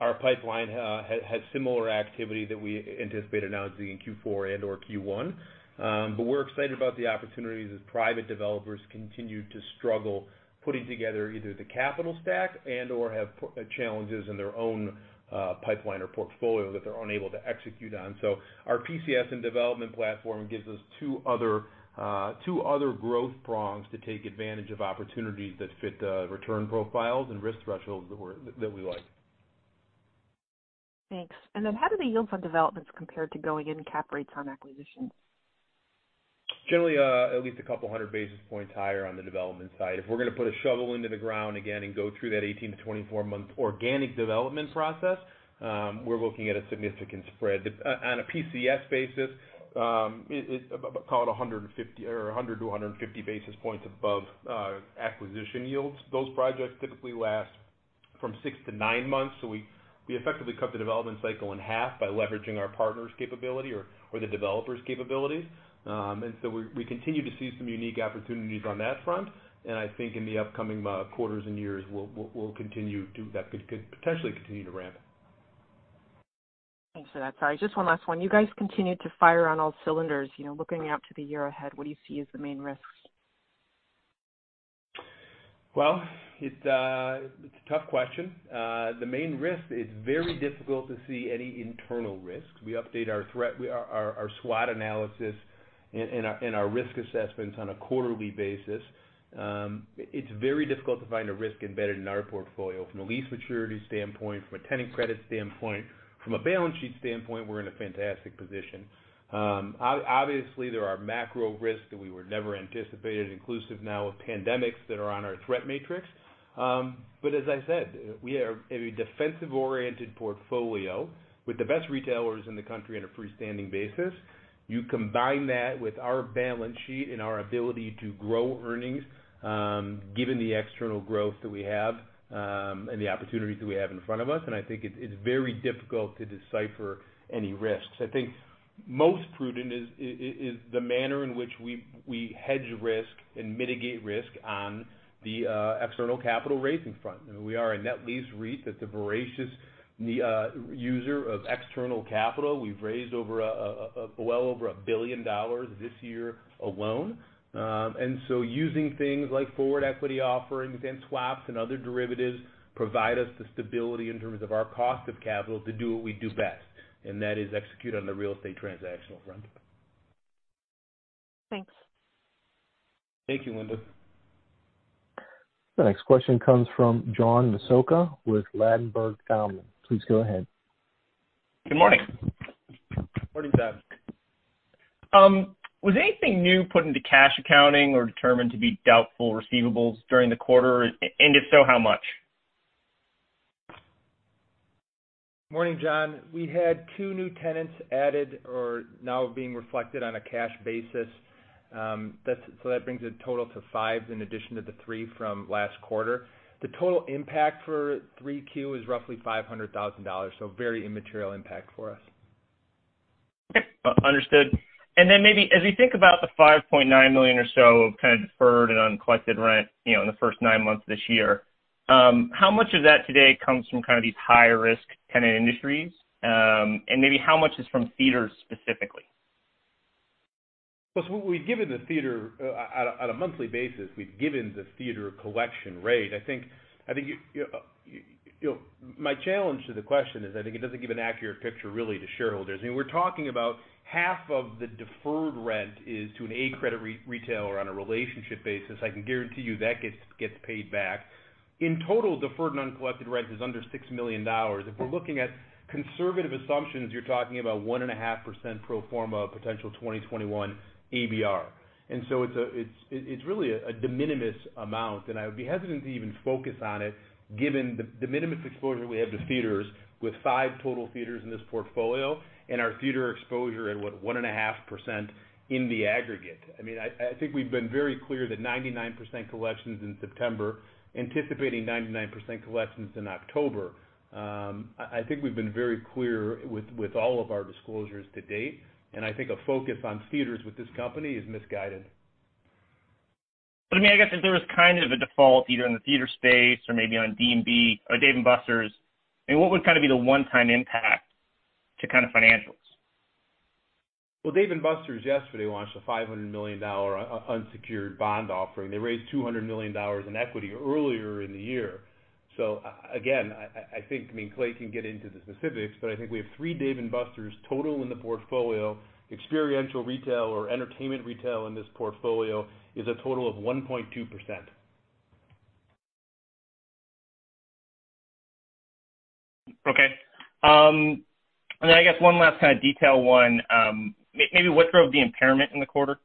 [SPEAKER 3] Our pipeline has similar activity that we anticipate announcing in Q4 and/or Q1. We're excited about the opportunities as private developers continue to struggle putting together either the capital stack and/or have challenges in their own pipeline or portfolio that they're unable to execute on. Our PCS and development platform gives us two other growth prongs to take advantage of opportunities that fit the return profiles and risk thresholds that we like.
[SPEAKER 9] Thanks. Then how do the yields on developments compare to going in cap rates on acquisitions?
[SPEAKER 3] Generally, at least 200 basis points higher on the development side. If we're going to put a shovel into the ground again and go through that 18 to 24-month organic development process, we're looking at a significant spread. On a PCS basis, call it 100-150 basis points above acquisition yields. Those projects typically last from six to nine months. We effectively cut the development cycle in half by leveraging our partner's capability or the developer's capabilities. We continue to see some unique opportunities on that front. I think in the upcoming quarters and years, that could potentially continue to ramp.
[SPEAKER 9] Thanks for that. Sorry, just one last one. You guys continued to fire on all cylinders. Looking out to the year ahead, what do you see as the main risks?
[SPEAKER 3] Well, it's a tough question. The main risk is it's very difficult to see any internal risk. We update our SWOT analysis and our risk assessments on a quarterly basis. It's very difficult to find a risk embedded in our portfolio from a lease maturity standpoint, from a tenant credit standpoint. From a balance sheet standpoint, we're in a fantastic position. Obviously, there are macro risks that we would never anticipated, inclusive now of pandemics that are on our threat matrix. As I said, we are a defensive-oriented portfolio with the best retailers in the country on a freestanding basis. You combine that with our balance sheet and our ability to grow earnings, given the external growth that we have and the opportunities that we have in front of us, and I think it's very difficult to decipher any risks. I think most prudent is the manner in which we hedge risk and mitigate risk on the external capital raising front. We are a net lease REIT that's a voracious user of external capital. We've raised well over $1 billion this year alone. Using things like forward equity offerings and swaps and other derivatives provides us the stability in terms of our cost of capital to do what we do best, and that is execute on the real estate transactional front.
[SPEAKER 9] Thanks.
[SPEAKER 3] Thank you, Linda.
[SPEAKER 1] The next question comes from John Massocca with Ladenburg Thalmann. Please go ahead.
[SPEAKER 10] Good morning.
[SPEAKER 3] Morning, John.
[SPEAKER 10] Was anything new put into cash accounting or determined to be doubtful receivables during the quarter? If so, how much?
[SPEAKER 2] Morning, John. We had two new tenants added, or now being reflected on a cash basis. That brings the total to five in addition to the three from last quarter. The total impact for 3Q is roughly $500,000, a very immaterial impact for us.
[SPEAKER 10] Understood. Maybe as we think about the $5.9 million or so of kind of deferred and uncollected rent, in the first nine months of this year, how much of that today comes from kind of these high-risk tenant industries? Maybe how much is from theaters, specifically?
[SPEAKER 3] We've given the theater on a monthly basis; we've given the theater a collection rate. My challenge to the question is I think it doesn't give an accurate picture really to shareholders. We're talking about half of the deferred rent is to an A-credit retailer on a relationship basis. I can guarantee you that gets paid back. In total, deferred and uncollected rent is under $6 million. If we're looking at conservative assumptions, you're talking about 1.5% pro forma potential 2021 ABR. It's really a de minimis amount, and I would be hesitant to even focus on it given the de minimis exposure we have to theaters with five total theaters in this portfolio and our theater exposure at what, 1.5% in the aggregate? I think we've been very clear that 99% collections in September, anticipating 99% collections in October. I think we've been very clear with all of our disclosures to date, and I think a focus on theaters with this company is misguided.
[SPEAKER 10] I guess if there was kind of a default either in the theater space or maybe on D&B or Dave & Buster's, what would be the one-time impact to kind of financials?
[SPEAKER 3] Well, Dave & Buster's yesterday launched a $500 million unsecured bond offering. They raised $200 million in equity earlier in the year. Again, I think Clay can get into the specifics, but I think we have three Dave & Buster's total in the portfolio. Experiential retail or entertainment retail in this portfolio is a total of 1.2%.
[SPEAKER 10] Okay. I guess one last kind of detail one. Maybe what drove the impairment in the quarter?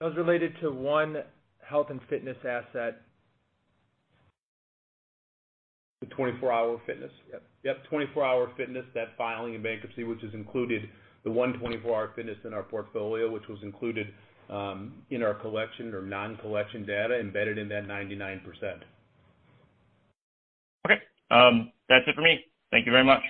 [SPEAKER 3] That was related to one health and fitness asset.
[SPEAKER 10] The 24 Hour Fitness?
[SPEAKER 3] Yep, 24 Hour Fitness, that filing in bankruptcy, which has included the one 24 Hour Fitness in our portfolio, which was included in our collection or non-collection data embedded in that 99%.
[SPEAKER 10] Okay. That's it for me. Thank you very much.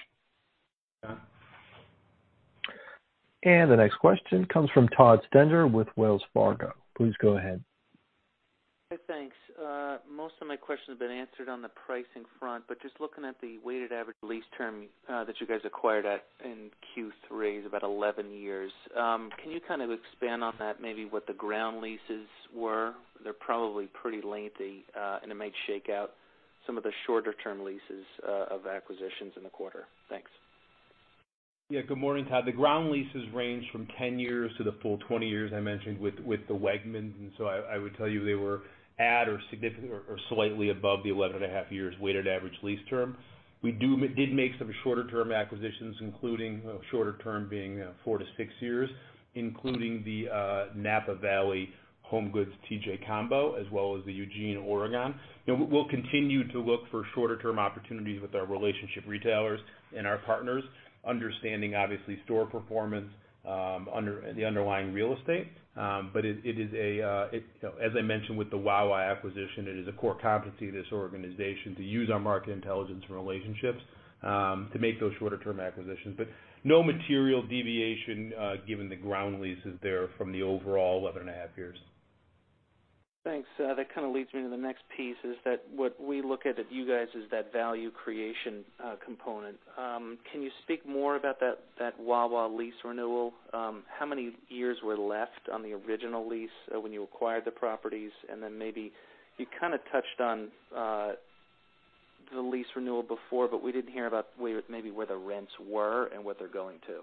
[SPEAKER 3] Yeah.
[SPEAKER 1] The next question comes from Todd Stender with Wells Fargo. Please go ahead.
[SPEAKER 11] Hey, thanks. Most of my questions have been answered on the pricing front, but just looking at the weighted average lease term that you guys acquired at in Q3 is about 11 years. Can you kind of expand on that, maybe what the ground leases were? They're probably pretty lengthy, and it might shake out some of the shorter-term leases of acquisitions in the quarter. Thanks.
[SPEAKER 3] Yeah. Good morning, Todd. The ground leases range from 10 years to the full 20 years I mentioned with the Wegmans, and so I would tell you they were at or slightly above the 11 and a half years weighted average lease term. We did make some shorter-term acquisitions, including shorter-term being four to six years, including the Napa Valley HomeGoods TJX combo as well as the Eugene, Oregon. We'll continue to look for shorter-term opportunities with our relationship retailers and our partners, understanding, obviously, store performance, the underlying real estate. As I mentioned, with the Wawa acquisition, it is a core competency of this organization to use our market intelligence and relationships to make those shorter-term acquisitions. No material deviation given the ground leases there from the overall 11 and a half years.
[SPEAKER 11] Thanks. That kind of leads me into the next piece: is that what we look at with you guys is that value creation component? Can you speak more about that Wawa lease renewal? How many years were left on the original lease when you acquired the properties, and then maybe you kind of touched on the lease renewal before, but we didn't hear about maybe where the rents were and what they're going to.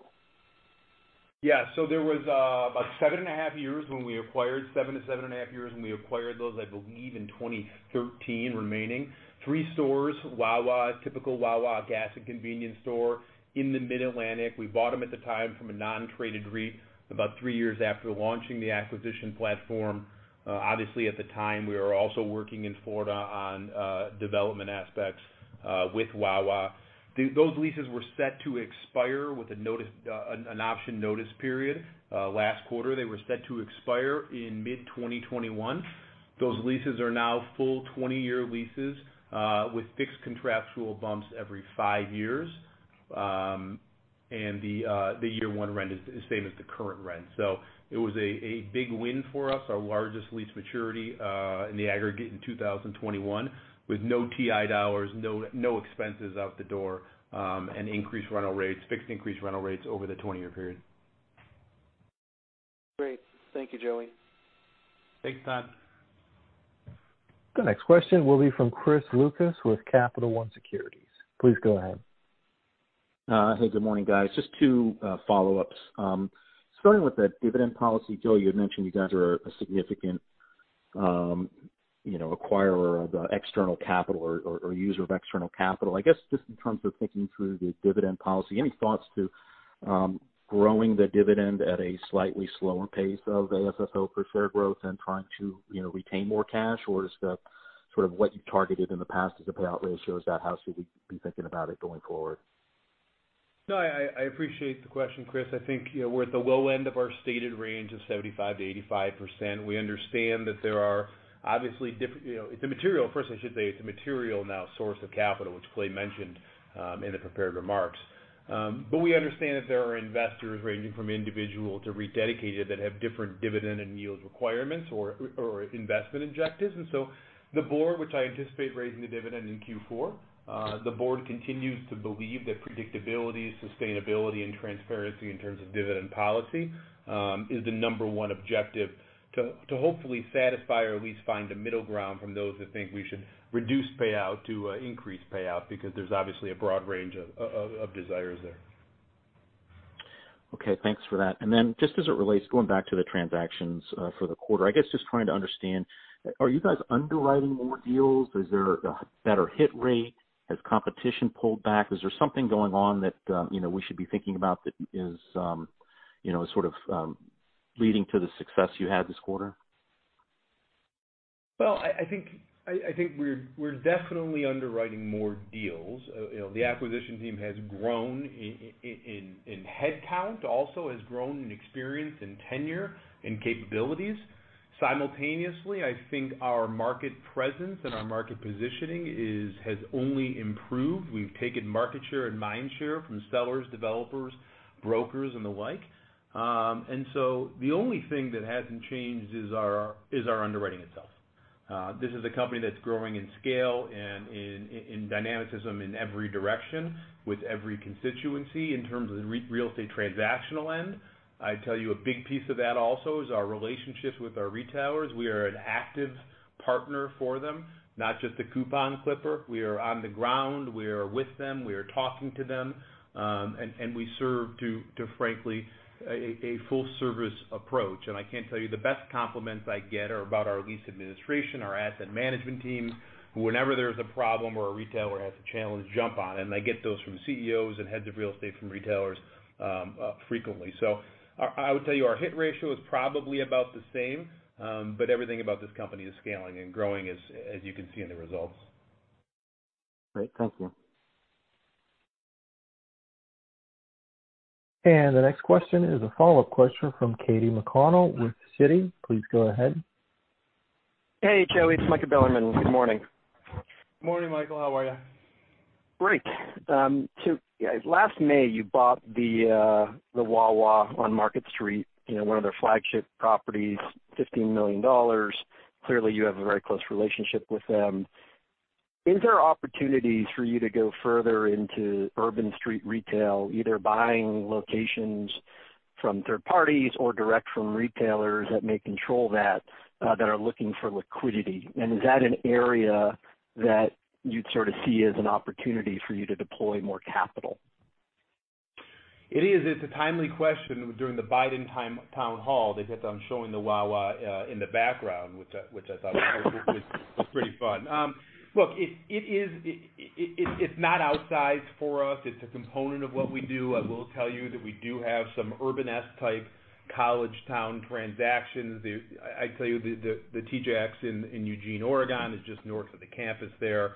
[SPEAKER 3] Yeah. There was about seven and a half years when we acquired, seven to seven and a half years when we acquired those, I believe, in 2013 remaining. Three stores: Wawa, a typical Wawa gas and convenience store in the Mid-Atlantic. We bought them at the time from a non-traded REIT about three years after launching the acquisition platform. Obviously, at the time, we were also working in Florida on development aspects with Wawa. Those leases were set to expire with an option notice period. Last quarter, they were set to expire in mid-2021. Those leases are now full 20-year leases, with fixed contractual bumps every five years. The year one rent is the same as the current rent. It was a big win for us. Our largest lease maturity, in the aggregate in 2021, with no TI dollars, no expenses out the door, and increased rental rates, fixed increased rental rates over the 20-year period.
[SPEAKER 11] Great. Thank you, Joey.
[SPEAKER 3] Thanks, Todd.
[SPEAKER 1] The next question will be from Chris Lucas with Capital One Securities. Please go ahead.
[SPEAKER 12] Hey, good morning, guys. Just two follow-ups. Starting with the dividend policy, Joey, you had mentioned you guys are a significant acquirer of external capital or users of external capital. I guess, just in terms of thinking through the dividend policy, any thoughts to growing the dividend at a slightly slower pace of AFFO per share growth and trying to retain more cash, or is the sort of what you've targeted in the past as a payout ratio, is that how we should be thinking about it going forward?
[SPEAKER 3] No, I appreciate the question, Chris. I think we're at the low end of our stated range of 75%-85%. We understand that there are first, I should say it's a material now sources of capital, which Clay mentioned in the prepared remarks. We understand that there are investors ranging from individual to rededicated that have different dividend and yield requirements or investment objectives. The board, which I anticipate raising the dividend in Q4, the board continues to believe that predictability, sustainability, and transparency in terms of dividend policy, is the number one objectives to hopefully satisfy or at least find a middle ground from those that think we should reduce payout to increase payout because there's obviously a broad range of desires there.
[SPEAKER 12] Okay, thanks for that. Then just as it relates, going back to the transactions for the quarter, I guess just trying to understand, are you guys underwriting more deals? Is there a better hit rate? Has competition pulled back? Is there something going on that we should be thinking about that is sort of leading to the success you had this quarter?
[SPEAKER 3] Well, I think we're definitely underwriting more deals. The acquisition team has grown in headcount, also has grown in experience and tenure and capabilities. Simultaneously, I think our market presence and our market positioning has only improved. We've taken market share and mind share from sellers, developers, brokers, and the like. The only thing that hasn't changed is our underwriting itself. This is a company that's growing in scale and in dynamicism in every direction with every constituency in terms of the real estate transactional end. I tell you a big piece of that also is our relationships with our retailers. We are an active partner for them, not just a coupon clipper. We are on the ground. We are with them; we are talking to them, we serve, frankly, a full-service approach. I can tell you the best compliments I get are about our lease administration, our asset management team, who, whenever there's a problem or a retailer has a challenge, jump on it. I get those from CEOs and heads of real estate from retailers frequently. I would tell you our hit ratio is probably about the same, but everything about this company is scaling and growing, as you can see in the results.
[SPEAKER 12] Great. Thank you.
[SPEAKER 1] The next question is a follow-up question from Katy McConnell with Citi. Please go ahead.
[SPEAKER 13] Hey, Joey. It's Michael Bilerman. Good morning.
[SPEAKER 3] Morning, Michael. How are you?
[SPEAKER 13] Great. Last May you bought the Wawa on Market Street, one of their flagship properties, $15 million. Clearly, you have a very close relationship with them. Is there opportunities for you to go further into urban street retail, either buying locations from third parties or direct from retailers that may control that are looking for liquidity? Is that an area that you'd sort of see as an opportunity for you to deploy more capital?
[SPEAKER 3] It is. It's a timely question. During the Biden town hall, they kept on showing the Wawa in the background, which I thought was pretty fun. Look, it's not outsized for us. It's a component of what we do. I will tell you that we do have some urban-esque-type college town transactions. I tell you, the TJX in Eugene, Oregon, is just north of the campus there.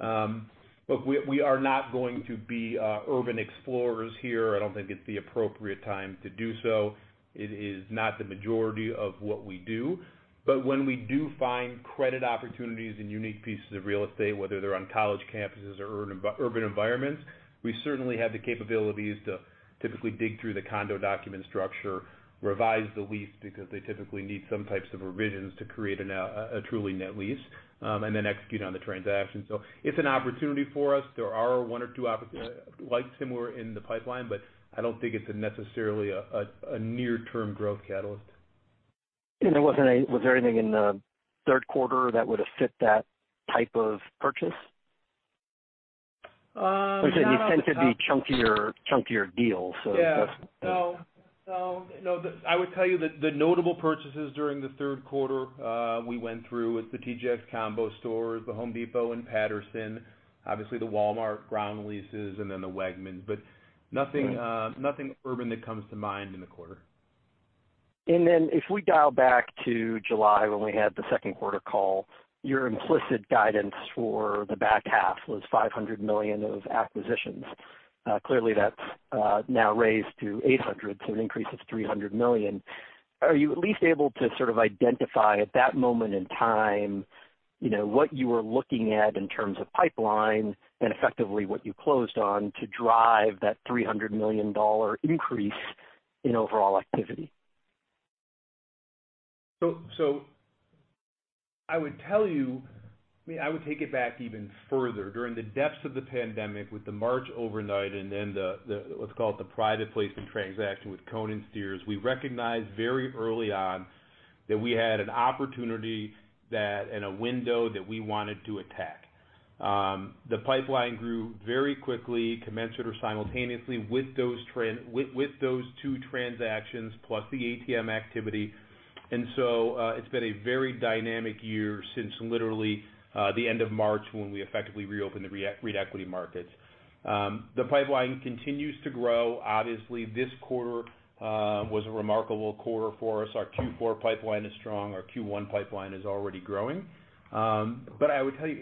[SPEAKER 3] We are not going to be urban explorers here. I don't think it's the appropriate time to do so. It is not the majority of what we do. When we do find credit opportunities and unique pieces of real estate, whether they're on college campuses or urban environments, we certainly have the capabilities to typically dig through the condo document structure, revise the lease, because they typically need some types of revisions to create a truly net lease, and then execute on the transaction. It's an opportunity for us. There are one or two similar in the pipeline, but I don't think it's necessarily a near-term growth catalyst.
[SPEAKER 13] Was there anything in the third quarter that would have fit that type of purchase?
[SPEAKER 3] No.
[SPEAKER 13] You tend to be chunkier deals.
[SPEAKER 3] Yeah. No. I would tell you that the notable purchases during the third quarter we went through with the TJX combo stores, the Home Depot in Paterson, obviously the Walmart ground leases, and then the Wegmans. Nothing urban that comes to mind in the quarter.
[SPEAKER 13] If we dial back to July when we had the second quarter call, your implicit guidance for the back half was $500 million of acquisitions. Clearly, that's now raised to $800 million, so an increase of $300 million. Are you at least able to sort of identify at that moment in time what you were looking at in terms of pipeline and effectively what you closed on to drive that $300 million increase in overall activity?
[SPEAKER 3] I would tell you; I would take it back even further during the depths of the pandemic with the March overnight and then let's call it the private placement transaction with Cohen & Steers. We recognized very early on that we had an opportunity and a window that we wanted to attack. The pipeline grew very quickly, commensurate or simultaneously with those two transactions, plus the ATM activity. It's been a very dynamic year since literally the end of March, when we effectively reopened the equity markets. The pipeline continues to grow. Obviously, this quarter was a remarkable quarter for us. Our Q4 pipeline is strong. Our Q1 pipeline is already growing. I would tell you,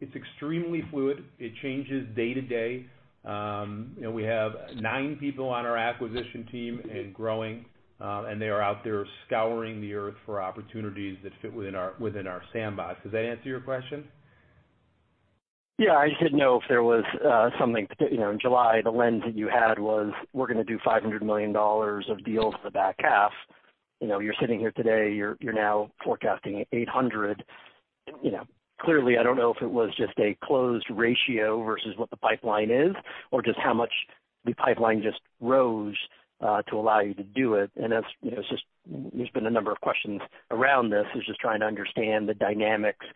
[SPEAKER 3] it's extremely fluid. It changes day to day. We have nine people on our acquisition team and growing. They are out there scouring the earth for opportunities that fit within our sandbox. Does that answer your question?
[SPEAKER 13] Yeah. I just didn't know if there was something. In July, the lens that you had was we're going to do $500 million of deals for the back half. You're sitting here today; you're now forecasting $800 million. Clearly, I don't know if it was just a closed ratio versus what the pipeline is or just how much the pipeline just rose to allow you to do it. There's been a number of questions around this, is just trying to understand the dynamics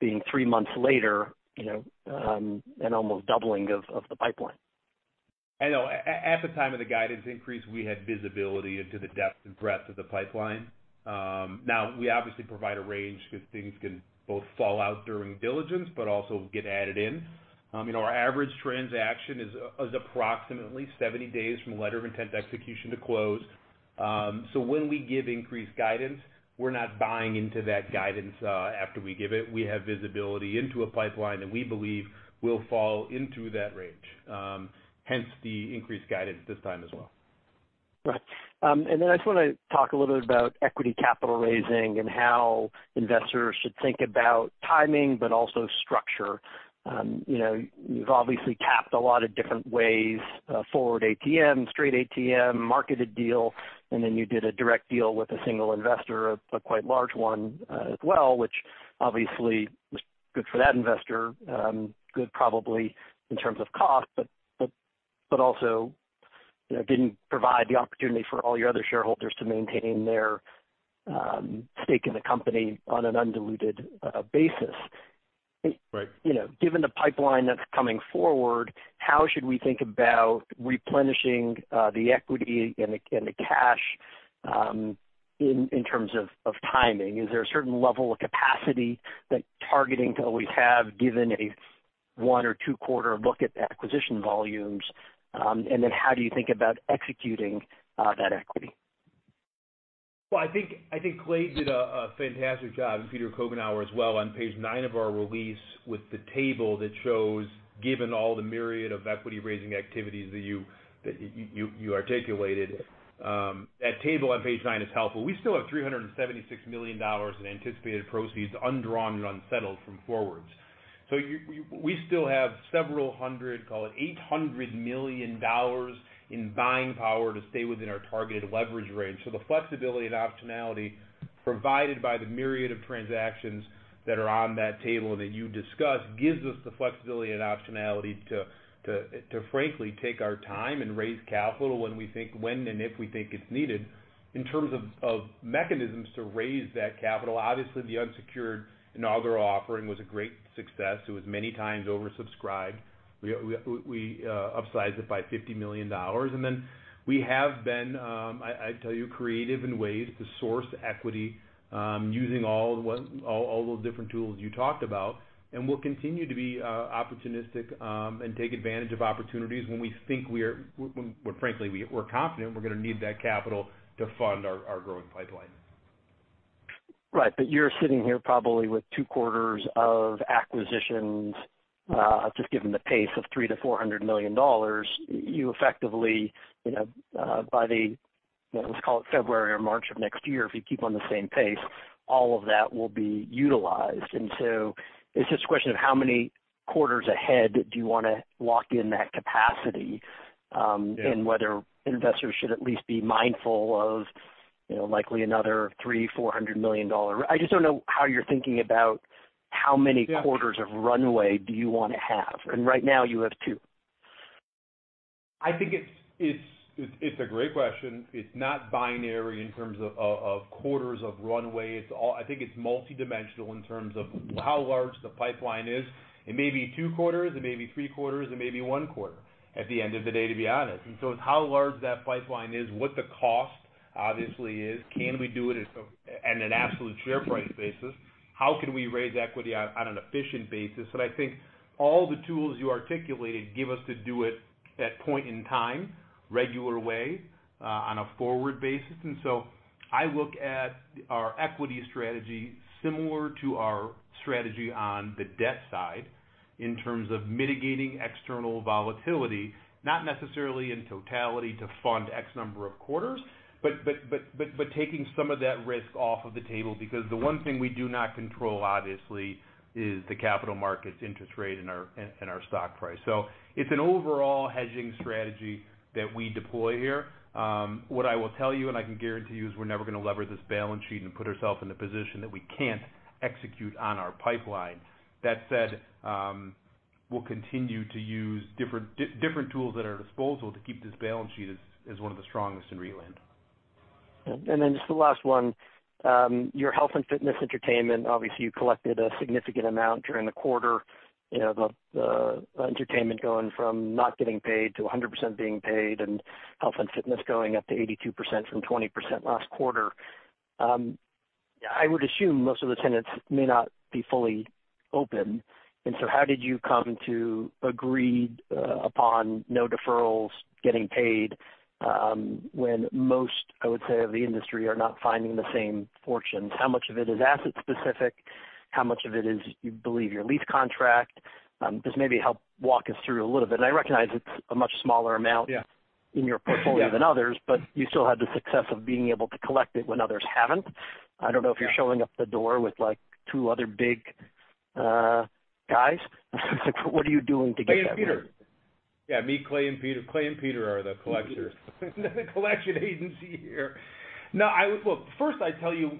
[SPEAKER 13] being three months later, an almost doubling of the pipeline.
[SPEAKER 3] I know. At the time of the guidance increase, we had visibility into the depth and breadth of the pipeline. Now, we obviously provide a range because things can both fall out during diligence but also get added in. Our average transaction is approximately 70 days from letter of intent execution to close. When we give increased guidance, we're not buying into that guidance after we give it. We have visibility into a pipeline that we believe will fall into that range, hence the increased guidance this time as well.
[SPEAKER 13] Right. I just want to talk a little bit about equity capital raising and how investors should think about timing but also structure. You've obviously tapped a lot of different ways: forward ATM, straight ATM, marketed deal, you did a direct deal with a single investor, a quite large one as well, which obviously was good for that investor, good probably in terms of cost, but also didn't provide the opportunity for all your other shareholders to maintain their stake in the company on an undiluted basis. Given the pipeline that's coming forward, how should we think about replenishing the equity and the cash in terms of timing? Is there a certain level of capacity that targeting to always have given a one or two-quarter look at the acquisition volumes? How do you think about executing that equity?
[SPEAKER 3] Well, I think Clay did a fantastic job, and Peter Coughenour as well, on page nine of our release with the table that shows, given all the myriad of equity-raising activities that you articulated. That table on page nine is helpful. We still have $376 million in anticipated proceeds undrawn and unsettled from forwards. So we still have several hundred, call it $800 million, in buying power to stay within our targeted leverage range. The flexibility and optionality provided by the myriad of transactions that are on that table that you discussed gives us the flexibility and optionality to frankly take our time and raise capital when and if we think it's needed. In terms of mechanisms to raise that capital, obviously the unsecured inaugural offering was a great success. It was many times oversubscribed. We upsized it by $50 million. We have been, I tell you, creative in ways to source equity, using all those different tools you talked about, and we'll continue to be opportunistic and take advantage of opportunities when, frankly, we're confident we're going to need that capital to fund our growing pipeline.
[SPEAKER 13] Right. You're sitting here probably with two quarters of acquisitions, just given the pace of $300 million-$400 million. You effectively, by the, let's call it, February or March of next year, if you keep on the same pace, all of that will be utilized. It's just a question of how many quarters ahead do you want to lock in that capacity? Whether investors should at least be mindful of likely another $300, $400 million. I just don't know how you're thinking about how many quarters of runway do you want to have? Right now you have two.
[SPEAKER 3] It's a great question. It's not binary in terms of quarters of runway. I think it's multi-dimensional in terms of how large the pipeline is. It may be two quarters, it may be three quarters, it may be one quarter at the end of the day, to be honest. It's how large that pipeline is, what the cost obviously is. Can we do it at an absolute share price basis? How can we raise equity on an efficient basis? I think all the tools you articulated give us to do it at point in time, regular way, on a forward basis. I look at our equity strategy similar to our strategy on the debt side in terms of mitigating external volatility, not necessarily in totality to fund X number of quarters, but taking some of that risk off of the table, because the one thing we do not control, obviously, is the capital markets interest rate and our stock price. It's an overall hedging strategy that we deploy here. What I will tell you, and I can guarantee you, is we're never going to lever this balance sheet and put ourself in the position that we can't execute on our pipeline. That said, we'll continue to use different tools at our disposal to keep this balance sheet as one of the strongest in real estate.
[SPEAKER 13] Just the last one. Your health and fitness entertainment, obviously, you collected a significant amount during the quarter, the entertainment going from not getting paid to 100% being paid, and health and fitness going up to 82% from 20% last quarter. I would assume most of the tenants may not be fully open, and so how did you come to agreed upon no deferrals getting paid when most, I would say, of the industry are not finding the same fortunes? How much of it is asset-specific? How much of it is you believe your lease contract? Just maybe help walk us through a little bit. I recognize it's a much smaller amount in your portfolio than others, but you still had the success of being able to collect it when others haven't. I don't know if you're showing up at the door with two other big guys. What are you doing to get that money?
[SPEAKER 3] Clay and Peter. Yeah, me, Clay, and Peter. Clay and Peter are the collectors. The collection agency here. No. Well, first, I tell you,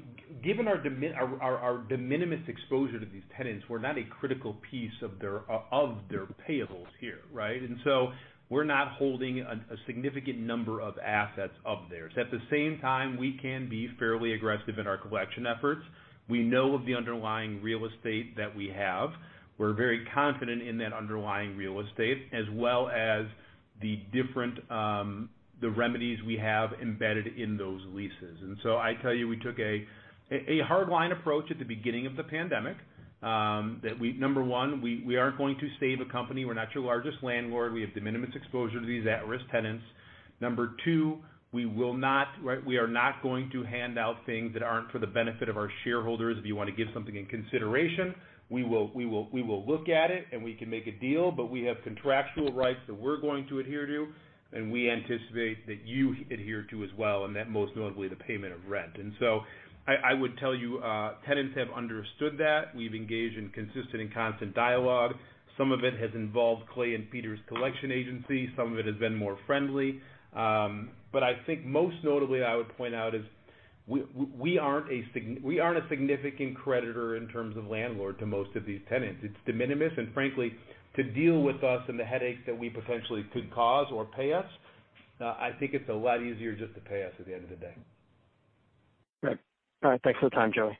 [SPEAKER 3] given our de minimis exposure to these tenants, we're not a critical piece of their payables here, right? We're not holding a significant number of assets of theirs. At the same time, we can be fairly aggressive in our collection efforts. We know of the underlying real estate that we have. We're very confident in that underlying real estate, as well as the remedies we have embedded in those leases. I tell you, we took a hard-line approach at the beginning of the pandemic. Number one, we aren't going to save a company. We're not your largest landlord. We have de minimis exposure to these at-risk tenants. Number two, we are not going to hand out things that aren't for the benefit of our shareholders. If you want to give something in consideration, we will look at it, and we can make a deal, but we have contractual rights that we're going to adhere to, and we anticipate that you adhere to as well, and that most notably the payment of rent. I would tell you, tenants have understood that. We've engaged in consistent and constant dialogue. Some of it has involved Clay and Peter's collection agency; some of it has been more friendly. I think most notably, I would point out, is we aren't a significant creditor in terms of landlord to most of these tenants. It's de minimis, and frankly, to deal with us and the headaches that we potentially could cause or payoffs, I think it's a lot easier just to pay us at the end of the day.
[SPEAKER 13] Right. All right, thanks for the time, Joey.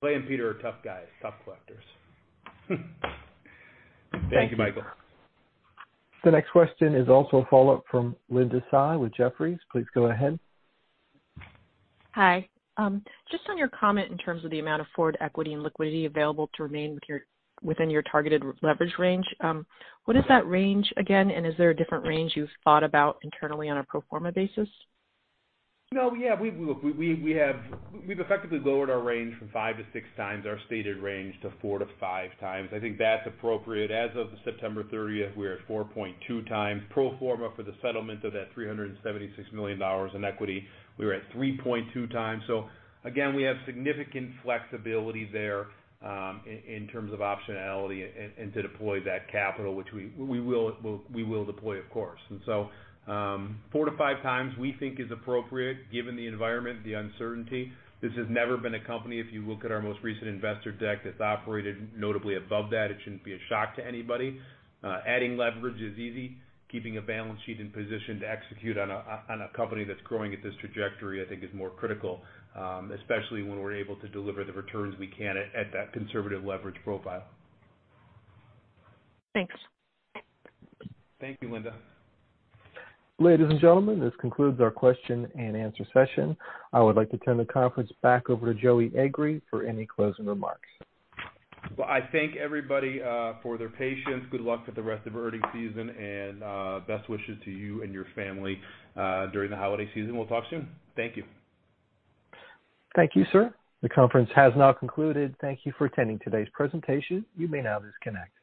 [SPEAKER 3] Clay and Peter are tough guys, tough collectors. Thank you, Michael.
[SPEAKER 1] The next question is also a follow-up from Linda Tsai with Jefferies. Please go ahead.
[SPEAKER 9] Hi. Just on your comment in terms of the amount of forward equity and liquidity available to remain within your targeted leverage range. What is that range again, and is there a different range you've thought about internally on a pro forma basis?
[SPEAKER 3] No, yeah. We've effectively lowered our range from five to six times our stated range to four to five times. I think that's appropriate. As of September 30th, we are at 4.2 times pro forma for the settlement of that $376 million in equity; we were at 3.2 times. Again, we have significant flexibility there in terms of optionality and to deploy that capital, which we will deploy, of course. So, four to five times, we think, is appropriate given the environment, the uncertainty. This has never been a company; if you look at our most recent investor deck, that's operated notably above that. It shouldn't be a shock to anybody. Adding leverage is easy. Keeping a balance sheet in position to execute on a company that's growing at this trajectory, I think, is more critical, especially when we're able to deliver the returns we can at that conservative leverage profile.
[SPEAKER 9] Thanks.
[SPEAKER 3] Thank you, Linda.
[SPEAKER 1] Ladies and gentlemen, this concludes our question and answer session. I would like to turn the conference back over to Joey Agree for any closing remarks.
[SPEAKER 3] I thank everybody for their patience. Good luck with the rest of earnings season, and best wishes to you and your family during the holiday season. We will talk soon. Thank you.
[SPEAKER 1] Thank you, sir. The conference has now concluded. Thank you for attending today's presentation. You may now disconnect.